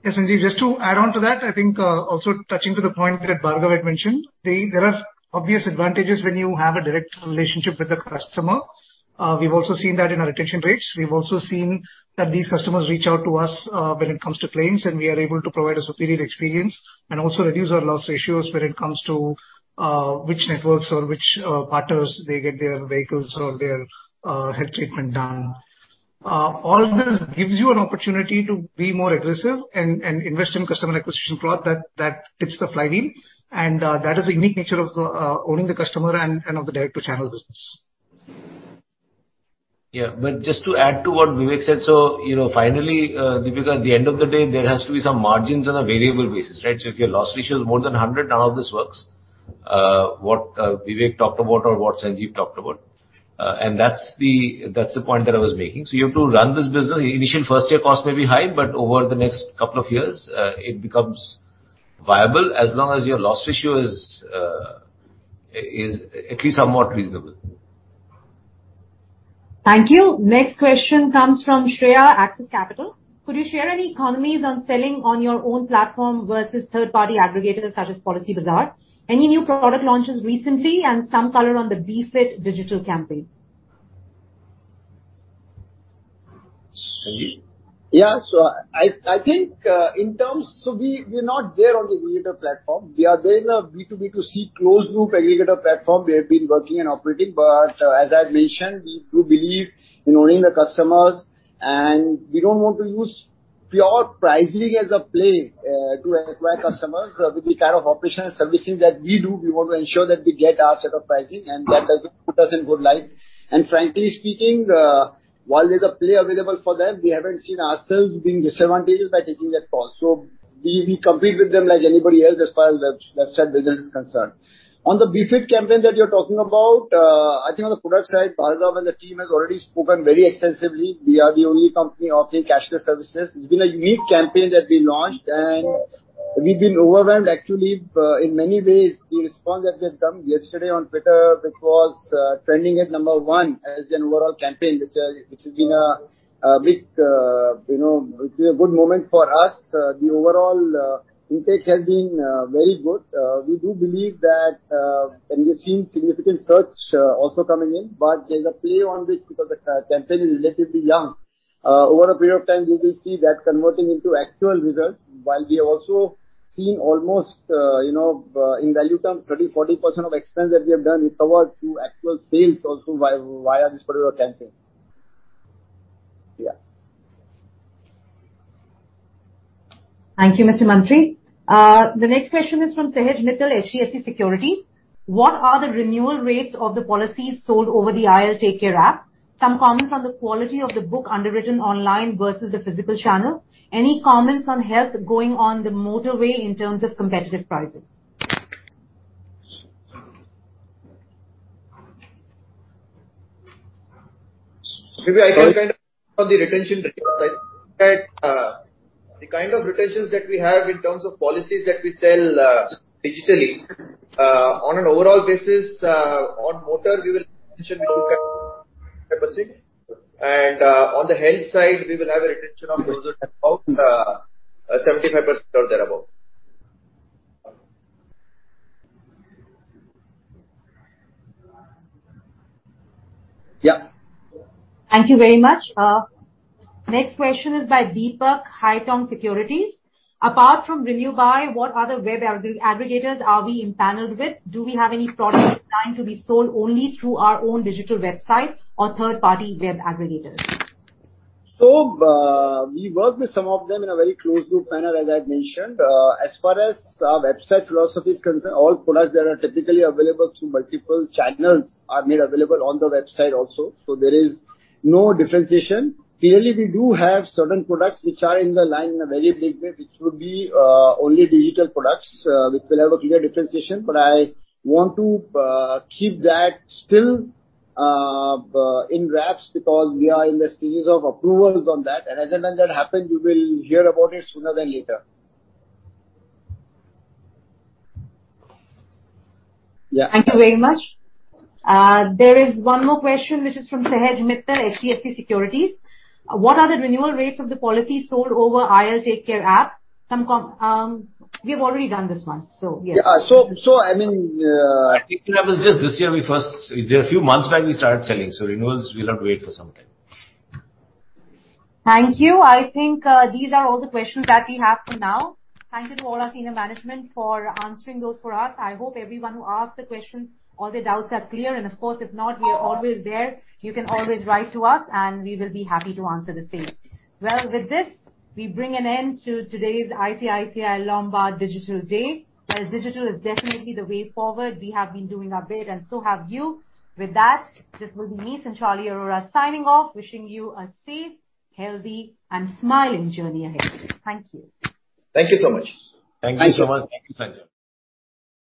Yes, indeed. Just to add on to that, I think, also touching to the point that Bhargav had mentioned, there are obvious advantages when you have a direct relationship with the customer. We've also seen that in our retention rates. We've also seen that these customers reach out to us, when it comes to claims, and we are able to provide a superior experience and also reduce our loss ratios when it comes to, which networks or which partners they get their vehicles or their health treatment done. All this gives you an opportunity to be more aggressive and invest in customer acquisition growth that tips the flywheel, and that is the unique nature of owning the customer and of the direct to channel business. Yeah. Just to add to what Vivek said, so, you know, finally, Deepika, at the end of the day, there has to be some margins on a variable basis, right? If your loss ratio is more than 100%, none of this works, what Vivek talked about or what Sanjeev talked about. That's the point that I was making. You have to run this business. Initial first year costs may be high, but over the next couple of years, it becomes viable as long as your loss ratio is at least somewhat reasonable. Thank you. Next question comes from Shreya, Axis Capital. Could you share any economies on selling on your own platform versus third party aggregators such as Policybazaar? Any new product launches recently and some color on the BeFit digital campaign? Sanjeev? Yeah. I think we're not there on the aggregator platform. We are there in a B2B2C closed loop aggregator platform. We have been working and operating, but as I mentioned, we do believe in owning the customers and we don't want to use pure pricing as a play to acquire customers. With the kind of operational servicing that we do, we want to ensure that we get our set of pricing and that doesn't put us in good light. Frankly speaking, while there's a play available for them, we haven't seen ourselves being disadvantaged by taking that call. We compete with them like anybody else as far as website business is concerned. On the BeFit campaign that you're talking about, I think on the product side, Bhargav and the team has already spoken very extensively. We are the only company offering cashless services. It's been a unique campaign that we launched, and we've been overwhelmed actually in many ways. The response that we have gotten yesterday on Twitter, it was trending at number one as an overall campaign, which has been a big, you know, it's been a good moment for us. The overall intake has been very good. We do believe that and we have seen significant search also coming in. There's a play on this because the campaign is relatively young. Over a period of time, we will see that converting into actual results, while we are also seeing almost, you know, in value terms, 30%-40% of expense that we have done recovered through actual sales also via this particular campaign. Yeah. Thank you, Mr. Mantri. The next question is from Sahej Mittal, HDFC Securities. What are the renewal rates of the policies sold over the IL TakeCare app? Some comments on the quality of the book underwritten online versus the physical channel? Any comments on health going on the motorway in terms of competitive pricing? Maybe I can kind of on the retention rates. I think that the kind of retentions that we have in terms of policies that we sell digitally on an overall basis on motor we look at retention 50%. On the health side, we will have a retention of closer to about 75% or thereabout. Yeah. Thank you very much. Next question is by Deepak, Haitong Securities. Apart from RenewBuy, what other web aggregators are we empaneled with? Do we have any products designed to be sold only through our own digital website or third-party web aggregators? We work with some of them in a very close group panel, as I've mentioned. As far as our website philosophy is concerned, all products that are typically available through multiple channels are made available on the website also. There is no differentiation. Clearly, we do have certain products which are online in a very big way, which would be only digital products, which will have a clear differentiation. I want to keep that still in wraps because we are in the stages of approvals on that. As and when that happens, you will hear about it sooner than later. Yeah. Thank you very much. There is one more question which is from Sahej Mittal, HDFC Securities. What are the renewal rates of the policy sold over IL TakeCare app? We have already done this one, so yes. Yeah, I mean. I think the level is just this year. A few months back we started selling, so renewals we'll have to wait for some time. Thank you. I think, these are all the questions that we have for now. Thank you to all our senior management for answering those for us. I hope everyone who asked the questions, all their doubts are clear. Of course, if not, we are always there. You can always write to us, and we will be happy to answer the same. Well, with this, we bring an end to today's ICICI Lombard Digital Day. As digital is definitely the way forward, we have been doing our bit and so have you. With that, this is Sanchali Arora signing off, wishing you a safe, healthy and smiling journey ahead. Thank you. Thank you so much. Thank you so much. Thank you. Thank you, Sanjeev.